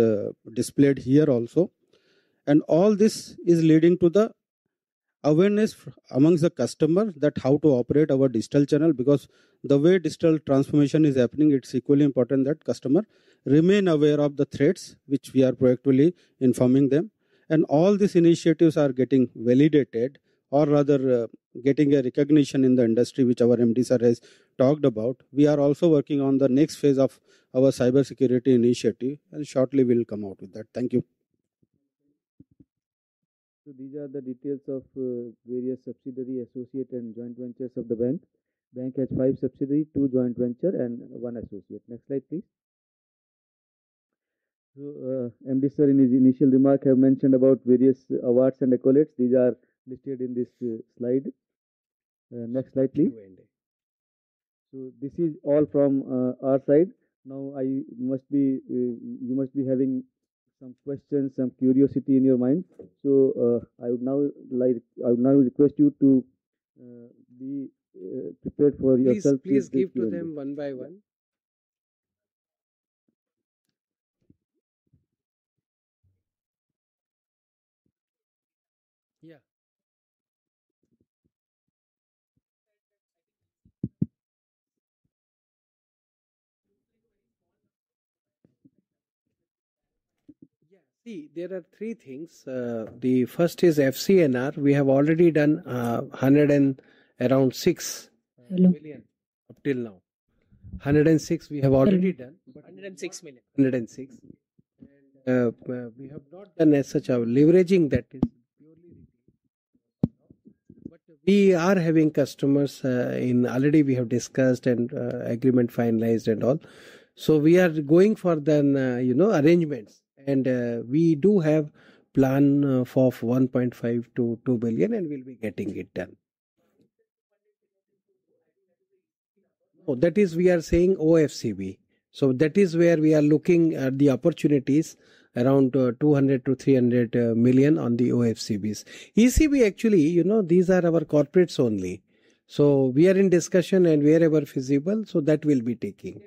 displayed here also. All this is leading to the awareness amongst the customer that how to operate our digital channel, because the way digital transformation is happening, it is equally important that customer remain aware of the threats, which we are proactively informing them. All these initiatives are getting validated or rather, getting a recognition in the industry, which our MD Sir has talked about. We are also working on the next phase of our cybersecurity initiative, and shortly we will come out with that. Thank you. These are the details of various subsidiary associate and joint ventures of the Bank. Bank has five subsidiary, two joint venture, and one associate. Next slide, please. MD Sir, in his initial remark, have mentioned about various awards and accolades. These are listed in this slide. Next slide, please. Q&A. This is all from our side. Now, you must be having some questions, some curiosity in your mind. I would now request you to be prepared for yourself. Please give to them one by one. Yeah. See, there are three things. The first is FCNR. We have already done around 600 million up till now. 106 we have already done. 106. We have not done as such a leveraging that is purely repeat. We are having customers in already we have discussed and agreement finalized and all. We are going for the arrangements, we do have plan of $1.5 billion-$2 billion and we'll be getting it done. That is we are saying OFCB. That is where we are looking at the opportunities around 200 million-300 million on the OFCBs. ECB, actually, these are our corporates only. We are in discussion and wherever feasible, we'll be taking.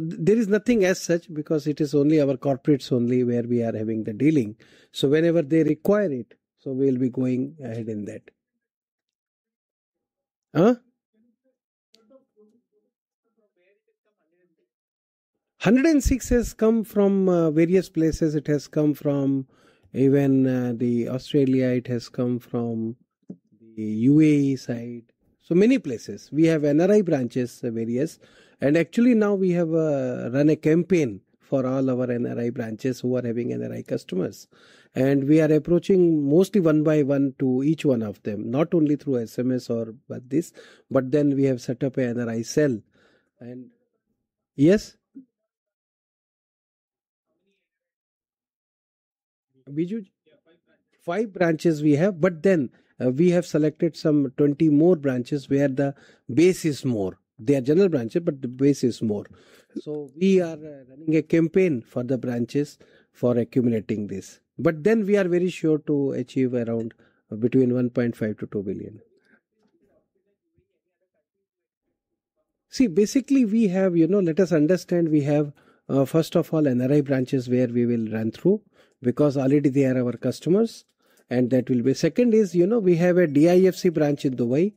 There is nothing as such because it is only our corporates only where we are having the dealing. Whenever they require it, we'll be going ahead in that. From where did it come, 106? 106 has come from various places. It has come from even the Australia. It has come from the UAE side. Many places. We have NRI branches, various. Actually, now we have run a campaign for all our NRI branches who are having NRI customers. We are approaching mostly one by one to each one of them, not only through SMS or this, but we have set up a NRI cell. Yes. How many NRI branches do you have? Biju? Five branches. Five branches we have. We have selected some 20 more branches where the base is more. They are general branches. The base is more. We are running a campaign for the branches for accumulating this. We are very sure to achieve around $1.5 billion-$2 billion. Basically, let us understand, we have, first of all, NRI branches where we will run through, because already they are our customers, and that will be. Second is, we have a DIFC branch in Dubai.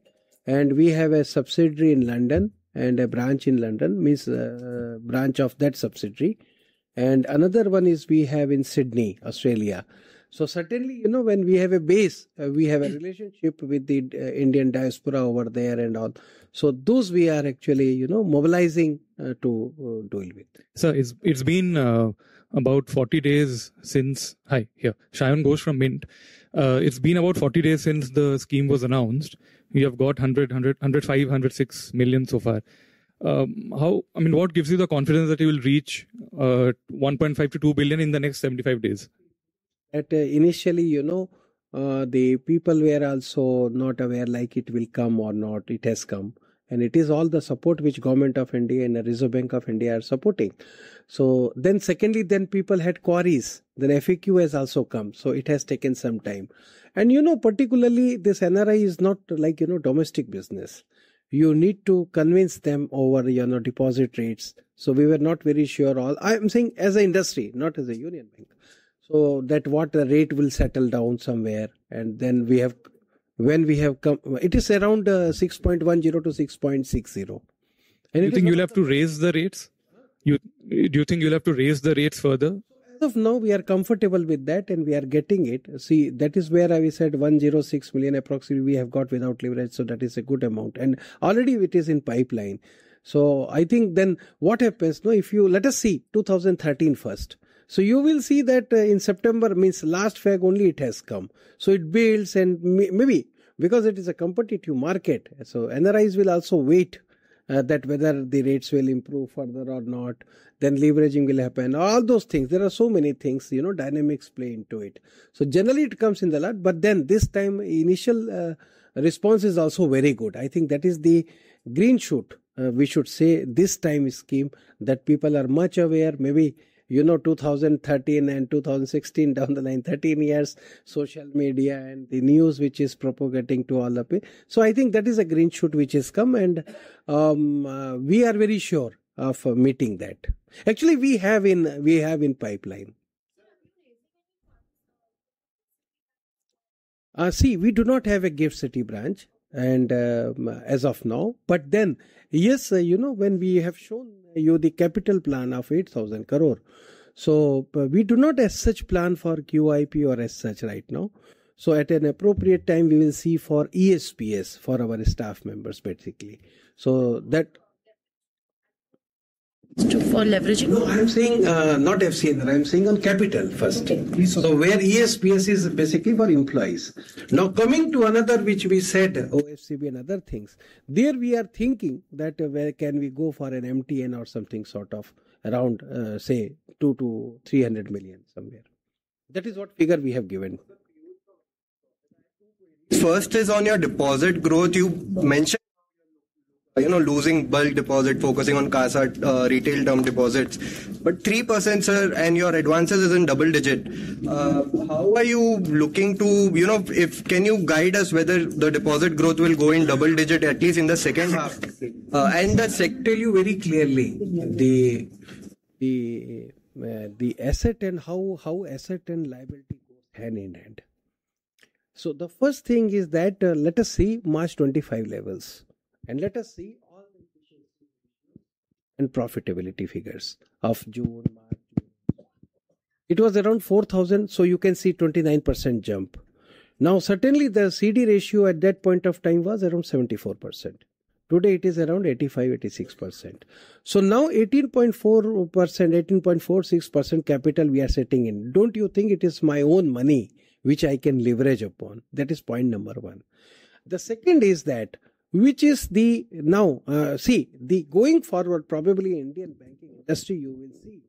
We have a subsidiary in London, and a branch in London, means a branch of that subsidiary. Another one is we have in Sydney, Australia. Certainly, when we have a base, we have a relationship with the Indian diaspora over there and all. Those we are actually mobilizing to deal with. Shayan Ghosh from Mint. It's been about 40 days since the scheme was announced. We have got 100, 500, 6 million so far. What gives you the confidence that you will reach 1.5 billion-2 billion in the next 75 days? Initially, the people were also not aware, like it will come or not, it has come. It is all the support which Government of India and the Reserve Bank of India are supporting. Secondly, then people had queries. FAQ has also come. It has taken some time. Particularly, this NRI is not like domestic business. You need to convince them over deposit rates. We were not very sure all. I am saying as an industry, not as a Union Bank. That what the rate will settle down somewhere. We have come. It is around 6.10%-6.60%. Anything above. Do you think you'll have to raise the rates? Huh? Do you think you'll have to raise the rates further? As of now, we are comfortable with that, we are getting it. See, that is where we said 106 million approximately we have got without leverage, that is a good amount. Already it is in pipeline. I think what happens, now if you Let us see 2013 first. You will see that in September, means last fag only it has come. It builds and maybe because it is a competitive market, NRIs will also wait that whether the rates will improve further or not, leveraging will happen. All those things. There are so many things, dynamics play into it. Generally, it comes in the lag, this time, initial response is also very good. I think that is the green shoot, we should say, this time scheme that people are much aware. Maybe 2013 and 2016, down the line, 13 years, social media and the news which is propagating to all up. I think that is a green shoot which has come, we are very sure of meeting that. Actually, we have in pipeline. Sir, are you raising any QIP or FCNR? See, we do not have a GIFT City branch as of now. Yes, when we have shown you the capital plan of 8,000 crore. We do not as such plan for QIP or as such right now. At an appropriate time, we will see for ESPS for our staff members, basically. No, I am saying not FCNR, I am saying on capital first. Okay. Where ESPS is basically for employees. Now, coming to another, which we said OFCB and other things. There we are thinking that where can we go for an MTN or something sort of around, say, 200 million -300 million somewhere. That is what figure we have given. Sir, two queries. First is on your deposit growth. You mentioned, losing bulk deposit, focusing on CASA, retail term deposits. 3%, sir, your advances is in double digit. Can you guide us whether the deposit growth will go in double digit, at least in the second half? That sector tell you very clearly the asset and how asset and liability goes hand in hand. The first thing is that, let us see March 2025 levels, and let us see all the efficiency and profitability figures of June, March, June. It was around 4,000, so you can see 29% jump. Certainly, the CD ratio at that point of time was around 74%. Today, it is around 85%-86%. 18.4%, 18.46% capital we are setting in. Don't you think it is my own money which I can leverage upon? That is point 1. The second is that, which is the. Going forward, probably Indian banking industry, you will see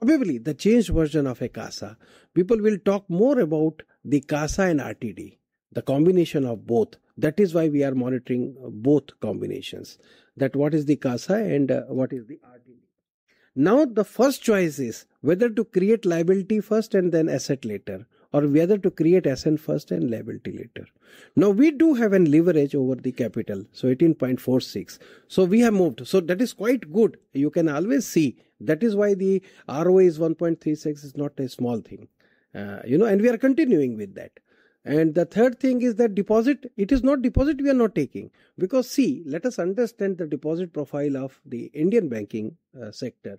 probably the changed version of a CASA. People will talk more about the CASA and RTD, the combination of both. That is why we are monitoring both combinations. What is the CASA and what is the RTD. The first choice is whether to create liability first and then asset later, or whether to create asset first and liability later. We do have a leverage over the capital, so 18.46%. We have moved. That is quite good. You can always see that is why the ROA is 1.36% is not a small thing. We are continuing with that. The third thing is that deposit, it is not deposit we are not taking. Let us understand the deposit profile of the Indian banking sector.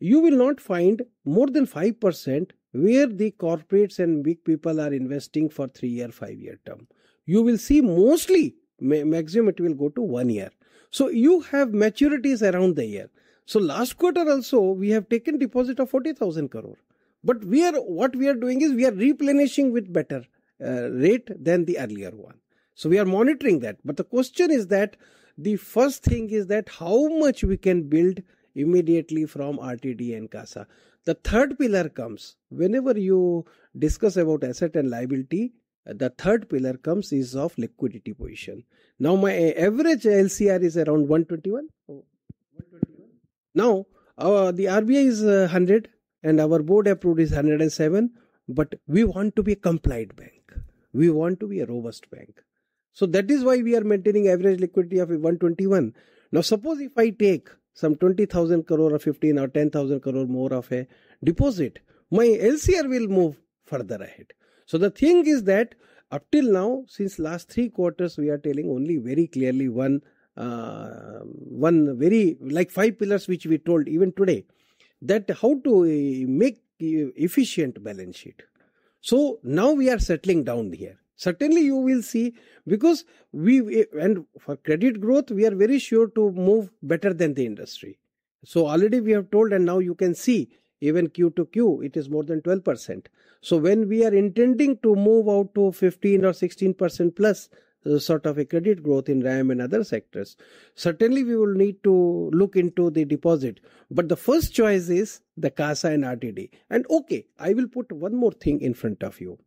You will not find more than 5% where the corporates and big people are investing for three-year, five-year term. You will see mostly maximum it will go to one year. You have maturities around the year. Last quarter also, we have taken deposit of 40,000 crore. What we are doing is we are replenishing with better rate than the earlier one. We are monitoring that. The question is that the first thing is that how much we can build immediately from RTD and CASA. The third pillar comes. Whenever you discuss about asset and liability, the third pillar comes is of liquidity position. My average LCR is around 121%. The RBI is 100%, and our board approved is 107%, but we want to be a compliant bank. We want to be a robust bank. That is why we are maintaining average liquidity of 121%. Suppose if I take some 20,000 crore or 15 or 10,000 crore more of a deposit, my LCR will move further ahead. The thing is that up till now, since last three quarters, we are telling only very clearly, like five pillars which we told even today, that how to make efficient balance sheet. Now we are settling down here. Certainly, you will see, because for credit growth, we are very sure to move better than the industry. Already we have told, and now you can see even QoQ, it is more than 12%. When we are intending to move out to 15% or 16%-plus sort of a credit growth in RAM and other sectors, certainly we will need to look into the deposit. The first choice is the CASA and RTD. Okay, I will put one more thing in front of you.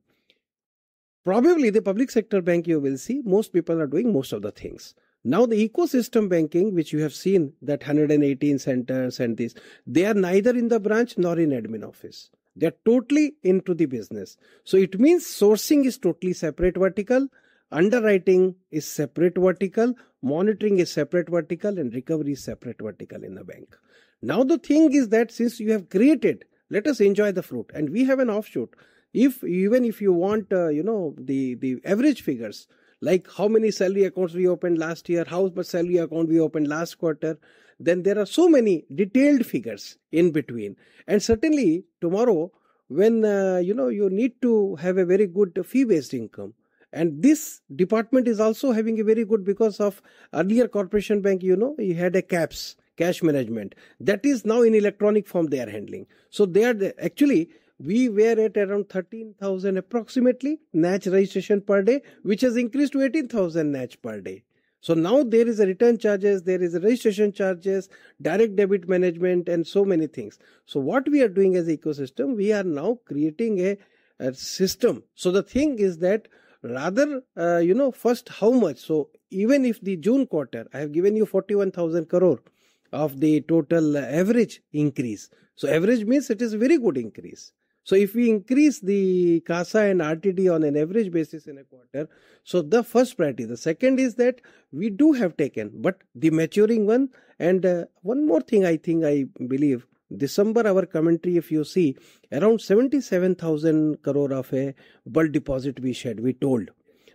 Probably the public sector bank you will see most people are doing most of the things. The ecosystem banking, which you have seen that 118 centers and this, they're neither in the branch nor in admin office. They're totally into the business. It means sourcing is totally separate vertical, underwriting is separate vertical, monitoring a separate vertical, and recovery is separate vertical in a bank. The thing is that since you have created, let us enjoy the fruit. We have an offshoot. Even if you want the average figures, like how many salary accounts we opened last year, how salary account we opened last quarter, then there are so many detailed figures in between. Certainly, tomorrow when you need to have a very good fee-based income, and this department is also having a very good because of earlier Corporation Bank, you had a CAPS, cash management. That is now in electronic form they are handling. Actually, we were at around 13,000 approximately NACH registration per day, which has increased to 18,000 NACH per day. Now there is a return charges, there is a registration charges, direct debit management, and so many things. What we are doing as ecosystem, we are now creating a system. The thing is that rather, first how much. Even if the June quarter, I have given you 41,000 crore of the total average increase. Average means it is very good increase. If we increase the CASA and RTD on an average basis in a quarter, the first priority. The second is that we do have taken, but the maturing one. One more thing I think, I believe, December, our commentary, if you see, around 77,000 crore of a bulk deposit we shed, we told.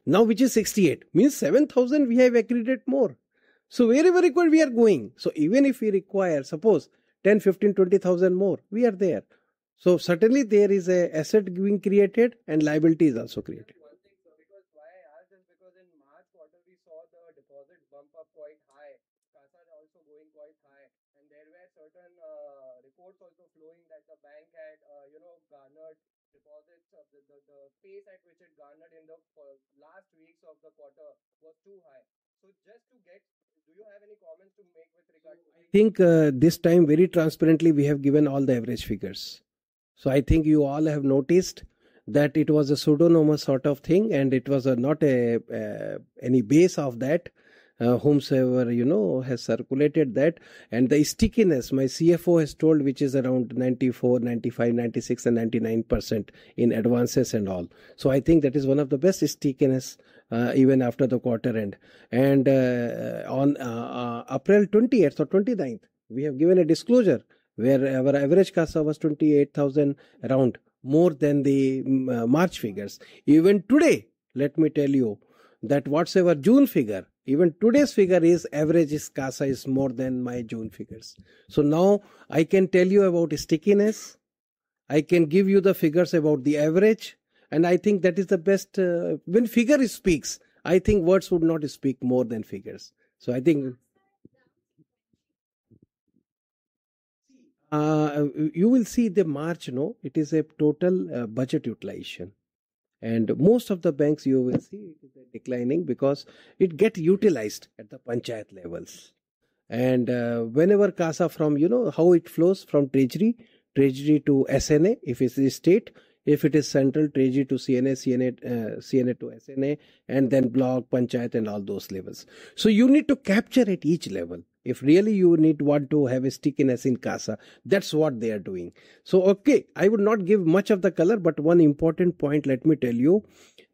Which is 68, means 7,000 we have accreted more. Wherever required, we are going. Even if we require, suppose 10,000, 15,000, 20,000 more, we are there. Certainly there is asset being created and liability is also created. Just one thing, sir. Why I asked is because in March quarter, we saw the deposit bump up quite high, CASA also going quite high, there were certain reports also flowing that the bank had garnered deposits of the pace at which it garnered in the last weeks of the quarter was too high. Just to get, do you have any comments to make with regard to. I think this time, very transparently, we have given all the average figures. I think you all have noticed that it was a pseudonymous sort of thing, and it was not any base of that, whosoever has circulated that. The stickiness, my Chief Financial Officer has told, which is around 94%, 95%, 96%, and 99% in advances and all. I think that is one of the best stickiness even after the quarter end. On April 28th or 29th, we have given a disclosure where our average CASA was 28,000 around, more than the March figures. Even today, let me tell you that what's our June figure, even today's figure is average is CASA is more than my June figures. Now I can tell you about stickiness, I can give you the figures about the average, and I think that is the best. When figure speaks, I think words would not speak more than figures. Sir, CASA down 20%. You will see the March, no? It is a total budget utilization. Most of the banks you will see it is declining because it get utilized at the Panchayat levels. Whenever CASA from how it flows from treasury to SNA, if it's a state. If it is central, treasury to CNA to SNA, and then block, Panchayat, and all those levels. You need to capture at each level. If really you want to have a stickiness in CASA, that's what they are doing. Okay, I would not give much of the color, but one important point, let me tell you,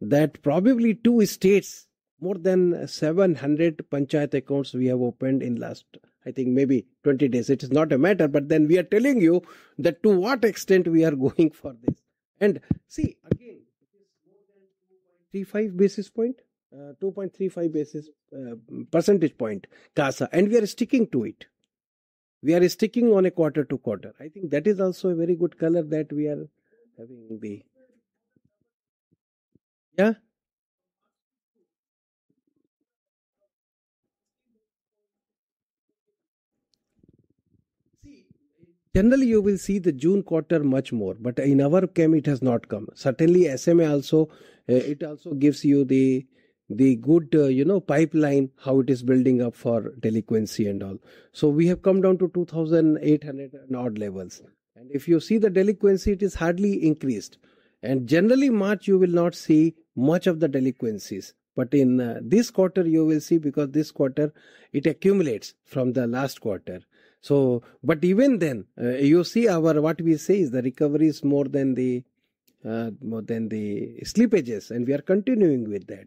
that probably two states, more than 700 Panchayat accounts we have opened in last, I think, maybe 20 days. It is not a matter. We are telling you that to what extent we are going for this. See again, it is more than 2.35 percentage point CASA, and we are sticking to it. We are sticking on a quarter-to-quarter. I think that is also a very good color that we are having, maybe. Yeah. Generally, you will see the June quarter much more, but in our camp it has not come. Certainly, SMA also, it also gives you the good pipeline, how it is building up for delinquency and all. We have come down to 2,800 and odd levels. If you see the delinquency, it is hardly increased. Generally, March you will not see much of the delinquencies. In this quarter you will see, because this quarter it accumulates from the last quarter. Even then, you see what we say is the recovery is more than the slippages, and we are continuing with that.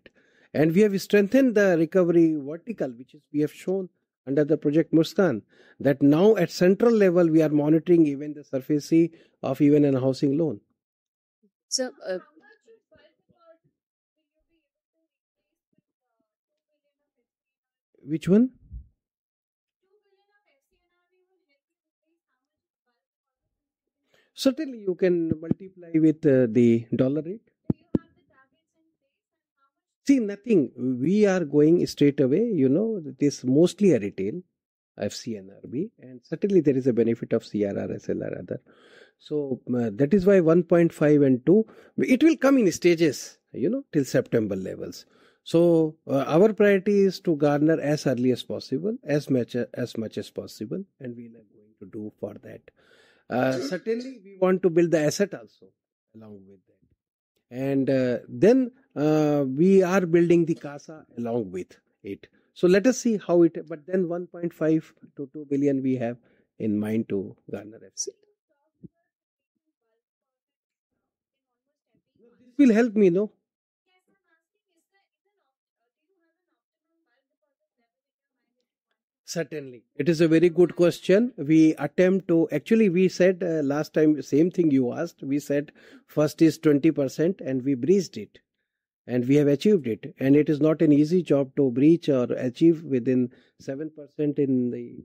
We have strengthened the recovery vertical, which we have shown under the Project Muskaan, that now at central level we are monitoring even the SARFAESI of even in a housing loan. Sir- How much of bulk deposit will you be able to replace with INR 2 billion of FCNR? Which one? INR 2 billion of FCNR will help you replace how much of bulk deposit? Certainly, you can multiply with the dollar rate. Do you have the targets in place and how much? See, nothing. We are going straight away. It is mostly a retail FCNRB, certainly there is a benefit of CRR, SLR other. That is why 1.5 billion and 2 billion. It will come in stages till September levels. Our priority is to garner as early as possible, as much as possible, we are now going to do for that. Certainly, we want to build the asset also along with it. We are building the CASA along with it. 1.5 billion to 2 billion we have in mind to garner FCNRB. Have you crossed your taking bulk deposit in almost every quarter? This will help me, no? Yes. I'm asking, do you have an optimum bulk deposit level in your mind at this point? Certainly. It is a very good question. Actually, we said, last time, same thing you asked. We said first is 20%, and we breached it, and we have achieved it. It is not an easy job to breach or achieve within 7% in the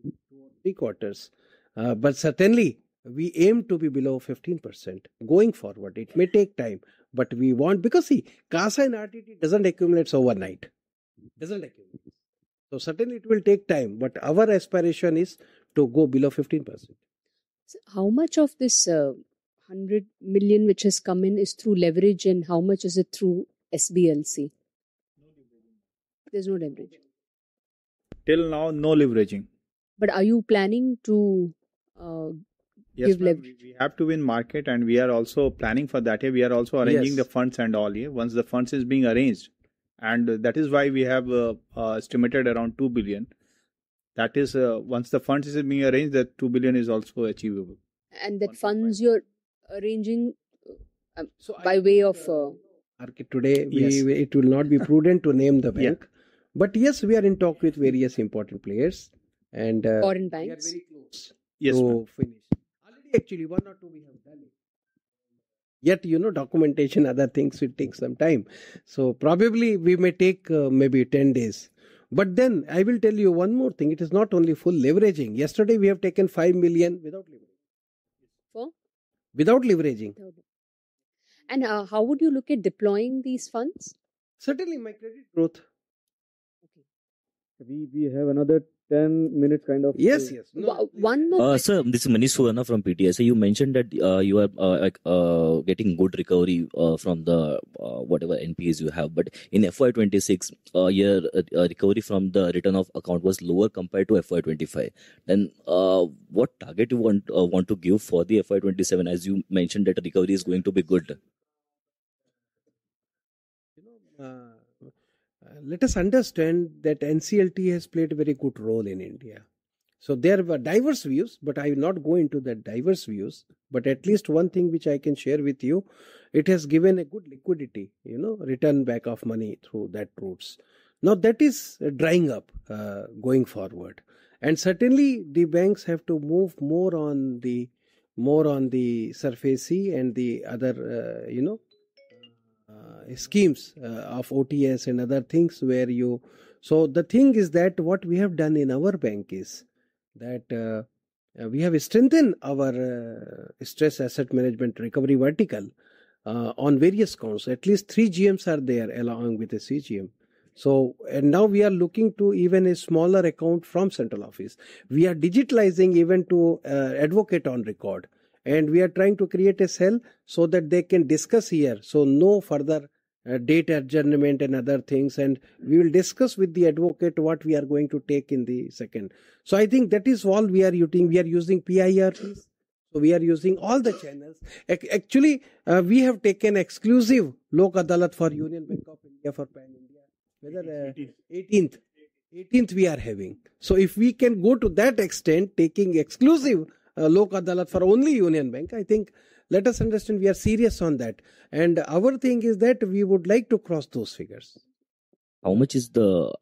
three quarters. Certainly, we aim to be below 15% going forward. It may take time. Because, see, CASA and RTD doesn't accumulate overnight. Certainly it will take time, but our aspiration is to go below 15%. Sir, how much of this 100 million which has come in is through leverage, and how much is it through SBLC? There's no leverage. Till now, no leveraging. Are you planning to give leverage? Yes, ma'am. We have to win market, and we are also planning for that. We are also arranging the funds and all. Once the funds is being arranged. That is why we have estimated around 2 billion. That is, once the funds is being arranged, that 2 billion is also achievable. That funds you're arranging? So I think. By way of. Today. Yes It will not be prudent to name the bank. Yeah. Yes, we are in talk with various important players. Foreign banks We are very close. Yes, ma'am, to finish. Already, actually, one or two we have done it. Documentation, other things, it takes some time. Probably we may take maybe 10 days. I will tell you one more thing. It is not only full leveraging. Yesterday, we have taken 5 million without leveraging. For? Without leveraging. Without leveraging. How would you look at deploying these funds? Certainly my credit growth. Okay. We have another 10 minutes. Yes, yes. One more. Sir, this is Manish Suvarna from PTI. Sir, you mentioned that you are getting good recovery from the whatever NPAs you have. In FY 2026, your recovery from the return of account was lower compared to FY 2025. What target you want to give for the FY 2027, as you mentioned that recovery is going to be good? Let us understand that NCLT has played a very good role in India. There were diverse views, I will not go into that diverse views, at least one thing which I can share with you, it has given a good liquidity, return back of money through that routes. Now that is drying up, going forward. Certainly, the banks have to move more on the SARFAESI and the other schemes of OTS and other things where you The thing is that what we have done in our bank is that we have strengthened our stress asset management recovery vertical on various counts. At least three GMs are there along with a CGM. Now we are looking to even a smaller account from central office. We are digitalizing even to advocate on record. We are trying to create a cell so that they can discuss here. No further Date adjournment and other things. We will discuss with the advocate what we are going to take in the second. I think that is all we are using. We are using PIRs. We are using all the channels. Actually, we have taken exclusive Lok Adalat for Union Bank of India for PAN India. Whether. 18th. 18th we are having. If we can go to that extent, taking exclusive Lok Adalat for only Union Bank, I think let us understand we are serious on that. Our thing is that we would like to cross those figures. How much is the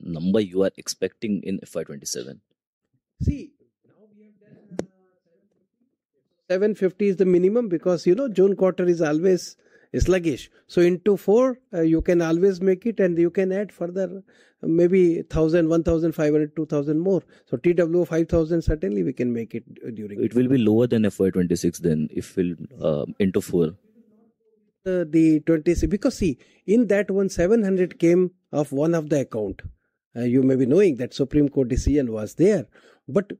number you are expecting in FY 2027? See, now we have done 750. 750 is the minimum because June quarter is always sluggish. Into four, you can always make it and you can add further maybe 1,000, 1,500, 2,000 more. To 5,000, certainly we can make it during. It will be lower than FY 2026 then if we'll into full. The FY 2026. see, in that one, 700 came of one of the account. You may be knowing that Supreme Court of India decision was there.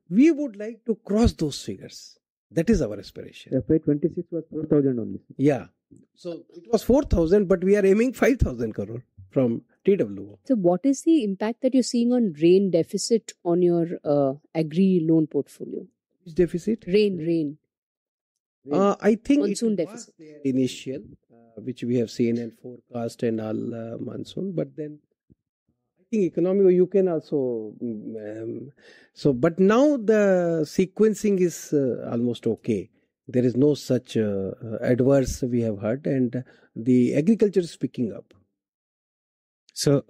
We would like to cross those figures. That is our aspiration. FY 2026 was 4,000 only. Yeah. it was 4,000, we are aiming 5,000 crore from two.. Sir, what is the impact that you're seeing on rain deficit on your agri loan portfolio? Which deficit? Rain. I think. Monsoon deficit It was their initial, which we have seen and forecast in our monsoon. The sequencing is almost okay. There is no such adverse we have heard, and the agriculture is picking up. Sir,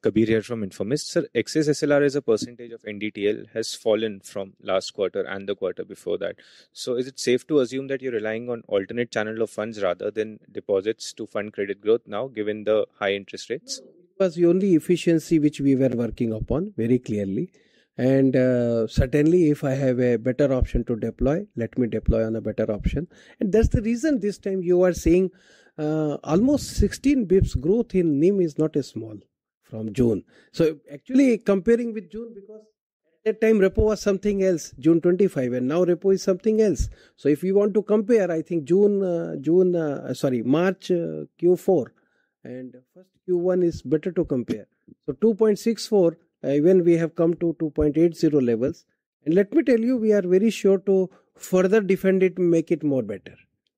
Kabir here from Informist. Sir, excess SLR as a percentage of NDTL has fallen from last quarter and the quarter before that. Is it safe to assume that you're relying on alternate channel of funds rather than deposits to fund credit growth now, given the high interest rates? No, it was the only efficiency which we were working upon very clearly. Certainly, if I have a better option to deploy, let me deploy on a better option. That's the reason this time you are seeing almost 16 basis points growth in NIM is not small from June. Actually, comparing with June, because at that time repo was something else, June 2025, and now repo is something else. If we want to compare, I think March Q4 and first Q1 is better to compare. 2.64%, even we have come to 2.80% levels. Let me tell you, we are very sure to further defend it, make it more better.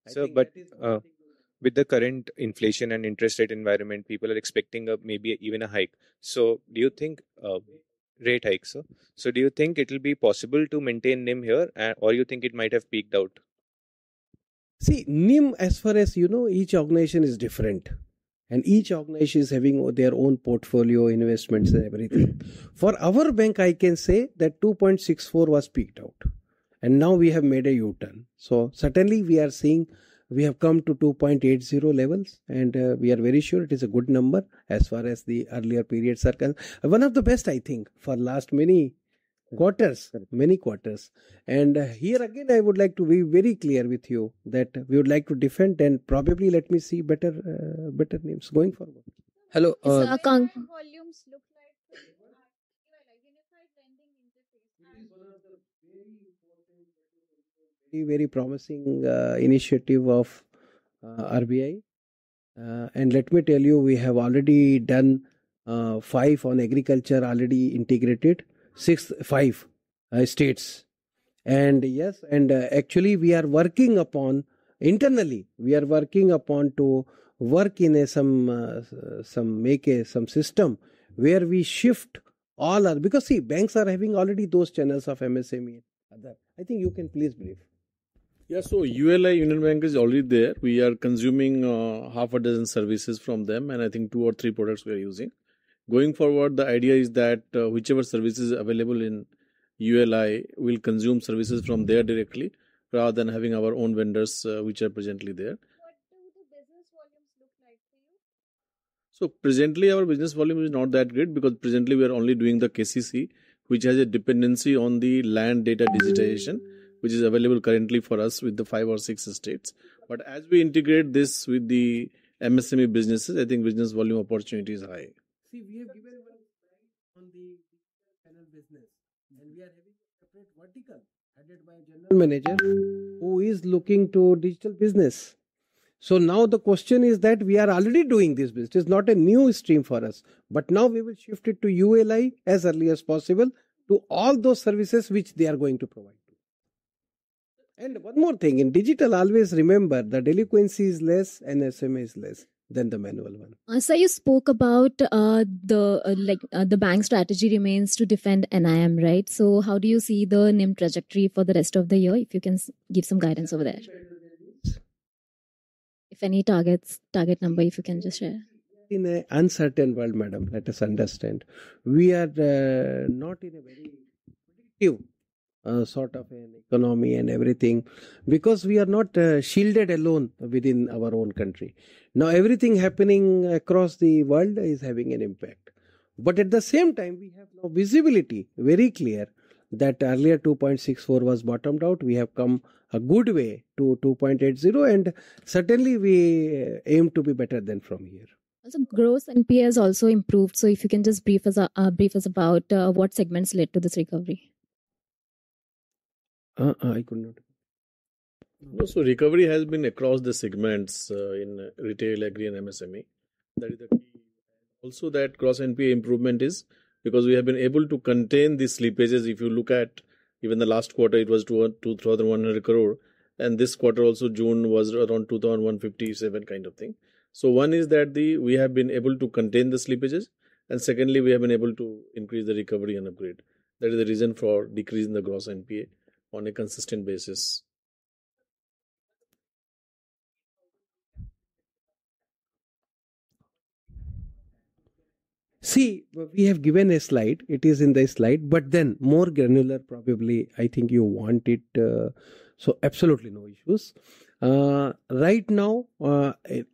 Sir, with the current inflation and interest rate environment, people are expecting maybe even a hike. Do you think rate hike, sir. Do you think it will be possible to maintain NIM here, or you think it might have peaked out? See, NIM, as far as you know, each organization is different, and each organization is having their own portfolio, investments, and everything. For our bank, I can say that 2.64 was peaked out, and now we have made a U-turn. Certainly, we are seeing we have come to 2.80 levels, and we are very sure it is a good number as far as the earlier periods are concerned. One of the best, I think, for last many quarters. Correct. Many quarters. Here again, I would like to be very clear with you that we would like to defend and probably let me see better NIMs going forward. Hello. Sir, can- What do the business volumes look like for you at Unified Lending Interface? It is one of the very important, very promising initiative of RBI. Let me tell you, we have already done five on agriculture, already integrated five states. Yes, actually we are working upon, internally, to work in some system where we shift all our. See, banks are having already those channels of MSME and other. I think you can please brief. Yeah. ULI, Union Bank is already there. We are consuming half a dozen services from them, and I think two or three products we are using. Going forward, the idea is that whichever service is available in ULI, we will consume services from there directly rather than having our own vendors, which are presently there. What do the business volumes look like for you? Presently, our business volume is not that great because presently we are only doing the KCC, which has a dependency on the land data digitization, which is available currently for us with the five or six states. As we integrate this with the MSME businesses, I think business volume opportunity is high. We have given one slide on the digital channel business, and we are having a separate vertical headed by general manager who is looking to digital business. Now the question is that we are already doing this business. It is not a new stream for us. Now we will shift it to ULI as early as possible to all those services which they are going to provide to you. One more thing, in digital, always remember, the delinquency is less and SME is less than the manual one. Sir, you spoke about the bank strategy remains to defend NIM, right? How do you see the NIM trajectory for the rest of the year? If you can give some guidance over there. If any targets, target number, if you can just share. We are in an uncertain world, madam. Let us understand. We are not in a very predictive sort of an economy and everything because we are not shielded alone within our own country. Now everything happening across the world is having an impact. At the same time, we have now visibility very clear that earlier 2.64 was bottomed out. We have come a good way to 2.80, and certainly, we aim to be better than from here. Gross NPA has also improved. If you can just brief us about what segments led to this recovery. I could not. Recovery has been across the segments in retail, agri, and MSME. That is the key. Also that gross NPA improvement is because we have been able to contain the slippages. If you look at even the last quarter, it was 2,100 crore, this quarter also June was around 2,157 kind of thing. One is that we have been able to contain the slippages, secondly, we have been able to increase the recovery and upgrade. That is the reason for decrease in the gross NPA on a consistent basis. We have given a slide. It is in the slide, more granular probably, I think you want it, absolutely no issues. Right now,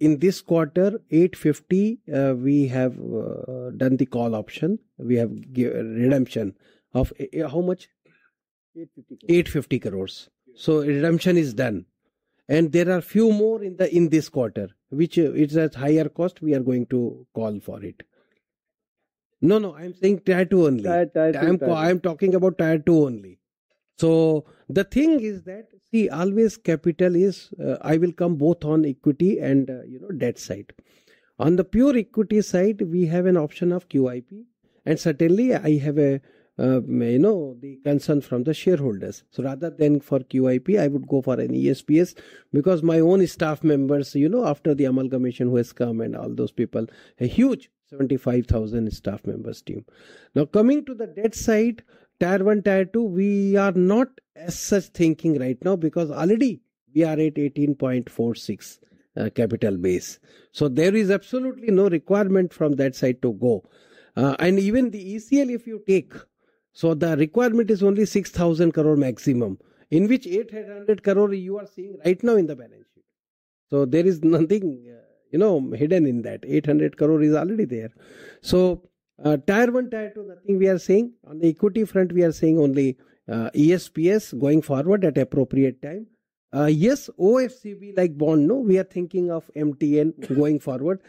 in this quarter, 850 crore, we have done the call option. We have redemption of how much? 850 crore. Redemption is done. There are few more in this quarter, which it's at higher cost, we are going to call for it. No, no, I am saying Tier 2 only. Tier 2. I am talking about Tier 2 only. The thing is that, see, always capital is I will come both on equity and debt side. On the pure equity side, we have an option of QIP, and certainly I have a concern from the shareholders. Rather than for QIP, I would go for an ESPS because my own staff members, after the amalgamation who has come and all those people, a huge 75,000 staff members team. Coming to the debt side, Tier 1, Tier 2, we are not as such thinking right now because already we are at 18.46 capital base. There is absolutely no requirement from that side to go. Even the ECL if you take, the requirement is only 6,000 crore maximum, in which 800 crore you are seeing right now in the balance sheet. There is nothing hidden in that. 800 crore is already there. Tier 1, Tier 2, nothing we are seeing. On the equity front, we are seeing only ESPS going forward at appropriate time. Yes, OFCB like bond, we are thinking of MTN going forward.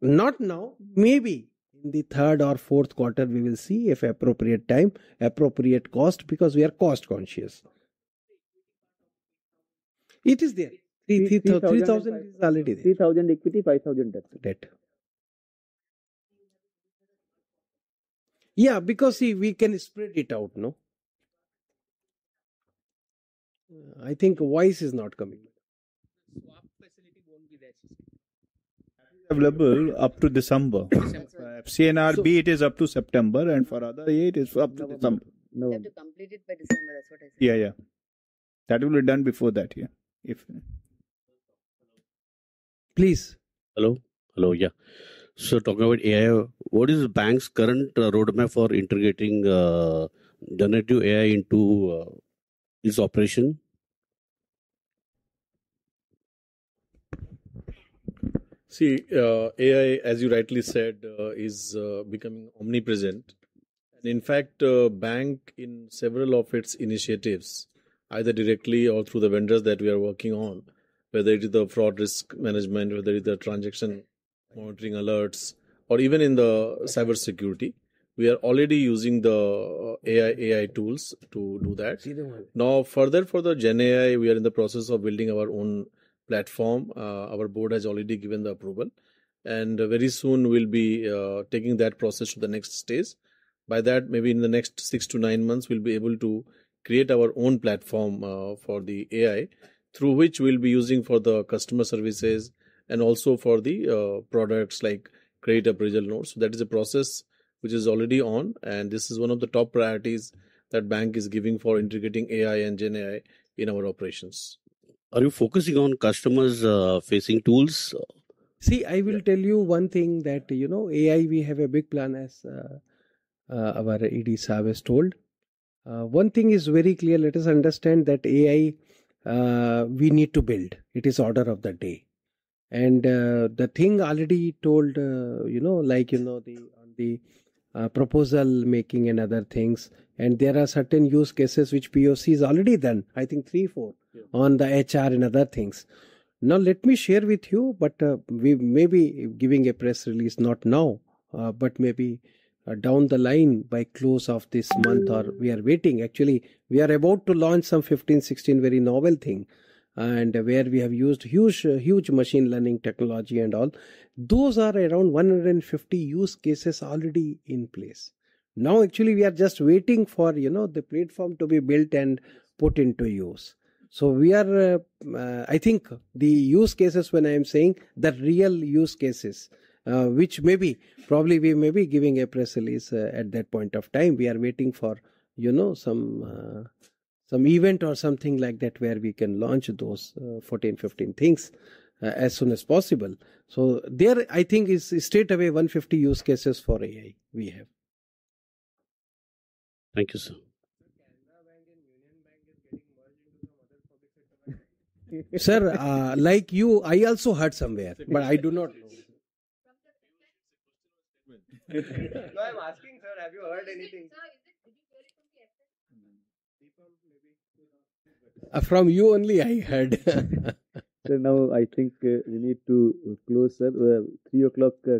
Not now. Maybe in the third or fourth quarter, we will see if appropriate time, appropriate cost, because we are cost-conscious. It is there. 3,000 is already there. 3,000 equity, 5,000 debt. Debt. Yeah, because, see, we can spread it out, no? I think voice is not coming. Swap facility won't be there she said. Available up to December. FCNRB, it is up to September, for other it is up to December. You have to complete it by December, that's what I said. Yeah. That will be done before that, yeah. Please. Talking about AI, what is the bank's current roadmap for integrating generative AI into this operation? See, AI, as you rightly said, is becoming omnipresent. In fact, bank in several of its initiatives, either directly or through the vendors that we are working on, whether it is the fraud risk management, whether it is the transaction monitoring alerts or even in the cybersecurity, we are already using the AI tools to do that. Further for the GenAI, we are in the process of building our own platform. Our board has already given the approval, and very soon, we'll be taking that process to the next stage. By that, maybe in the next six to nine months, we'll be able to create our own platform for the AI, through which we'll be using for the customer services and also for the products like credit appraisal notes. That is a process which is already on, and this is one of the top priorities that bank is giving for integrating AI and GenAI in our operations. Are you focusing on customer-facing tools? See, I will tell you one thing that AI, we have a big plan as our ED Sahab has told. One thing is very clear. Let us understand that AI, we need to build. It is order of the day. The thing already told, like the proposal making and other things, and there are certain use cases which POC has already done, I think three, four. Yeah On the HR and other things. Now, let me share with you, but we may be giving a press release, not now, but maybe down the line by close of this month, or we are waiting actually. We are about to launch some 15, 16 very novel thing, and where we have used huge machine learning technology and all. Those are around 150 use cases already in place. Now, actually, we are just waiting for the platform to be built and put into use. We are, I think, the use cases when I am saying the real use cases, which maybe, probably we may be giving a press release at that point of time. We are waiting for some event or something like that where we can launch those 14, 15 things as soon as possible. There, I think, is straight away 150 use cases for AI we have. Thank you, sir. Sir, Canara Bank and Union Bank is getting merged into some other public sector bank. Sir, like you, I also heard somewhere, but I do not know. From the FM? It's a question or statement. No, I'm asking, sir, have you heard anything? People maybe. From you only I heard. Sir, now I think we need to close, sir. 3:00 P.M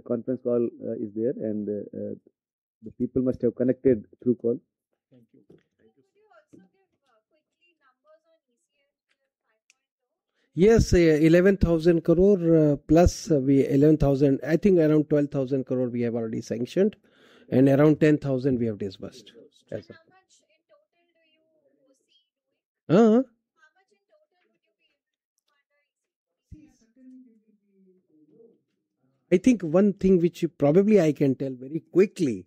conference call is there. The people must have connected through call. Thank you. Thank you, sir. Sir, could you also give quickly numbers on ECLGS 5.0? Yes, 11,000+ crore. I think around 12,000 crore we have already sanctioned. Around 10,000 crore we have disbursed. How much in total would you be able to do under ECL? See, certainly we will be able to. I think one thing which probably I can tell very quickly.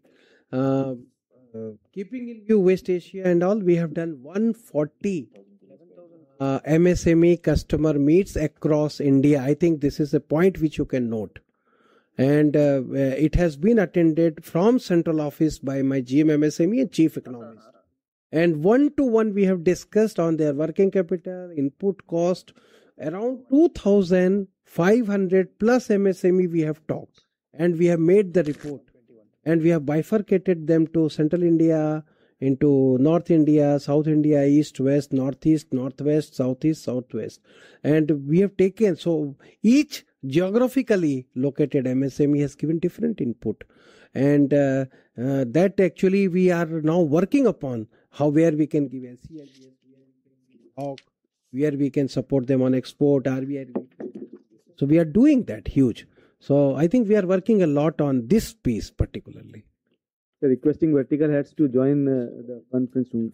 Keeping in view West Asia and all, we have done 140 MSME customer meets across India. I think this is a point which you can note. It has been attended from central office by my GM MSME and chief economist. One-to-one, we have discussed on their working capital, input cost. Around 2,500+ MSME we have talked, and we have made the report. We have bifurcated them to Central India, North India, South India, East, West, Northeast, Northwest, Southeast, Southwest. Each geographically located MSME has given different input. That actually we are now working upon how, where we can give ECL, where we can support them on export. We are doing that huge. I think we are working a lot on this piece, particularly. Sir, requesting vertical heads to join the conference room.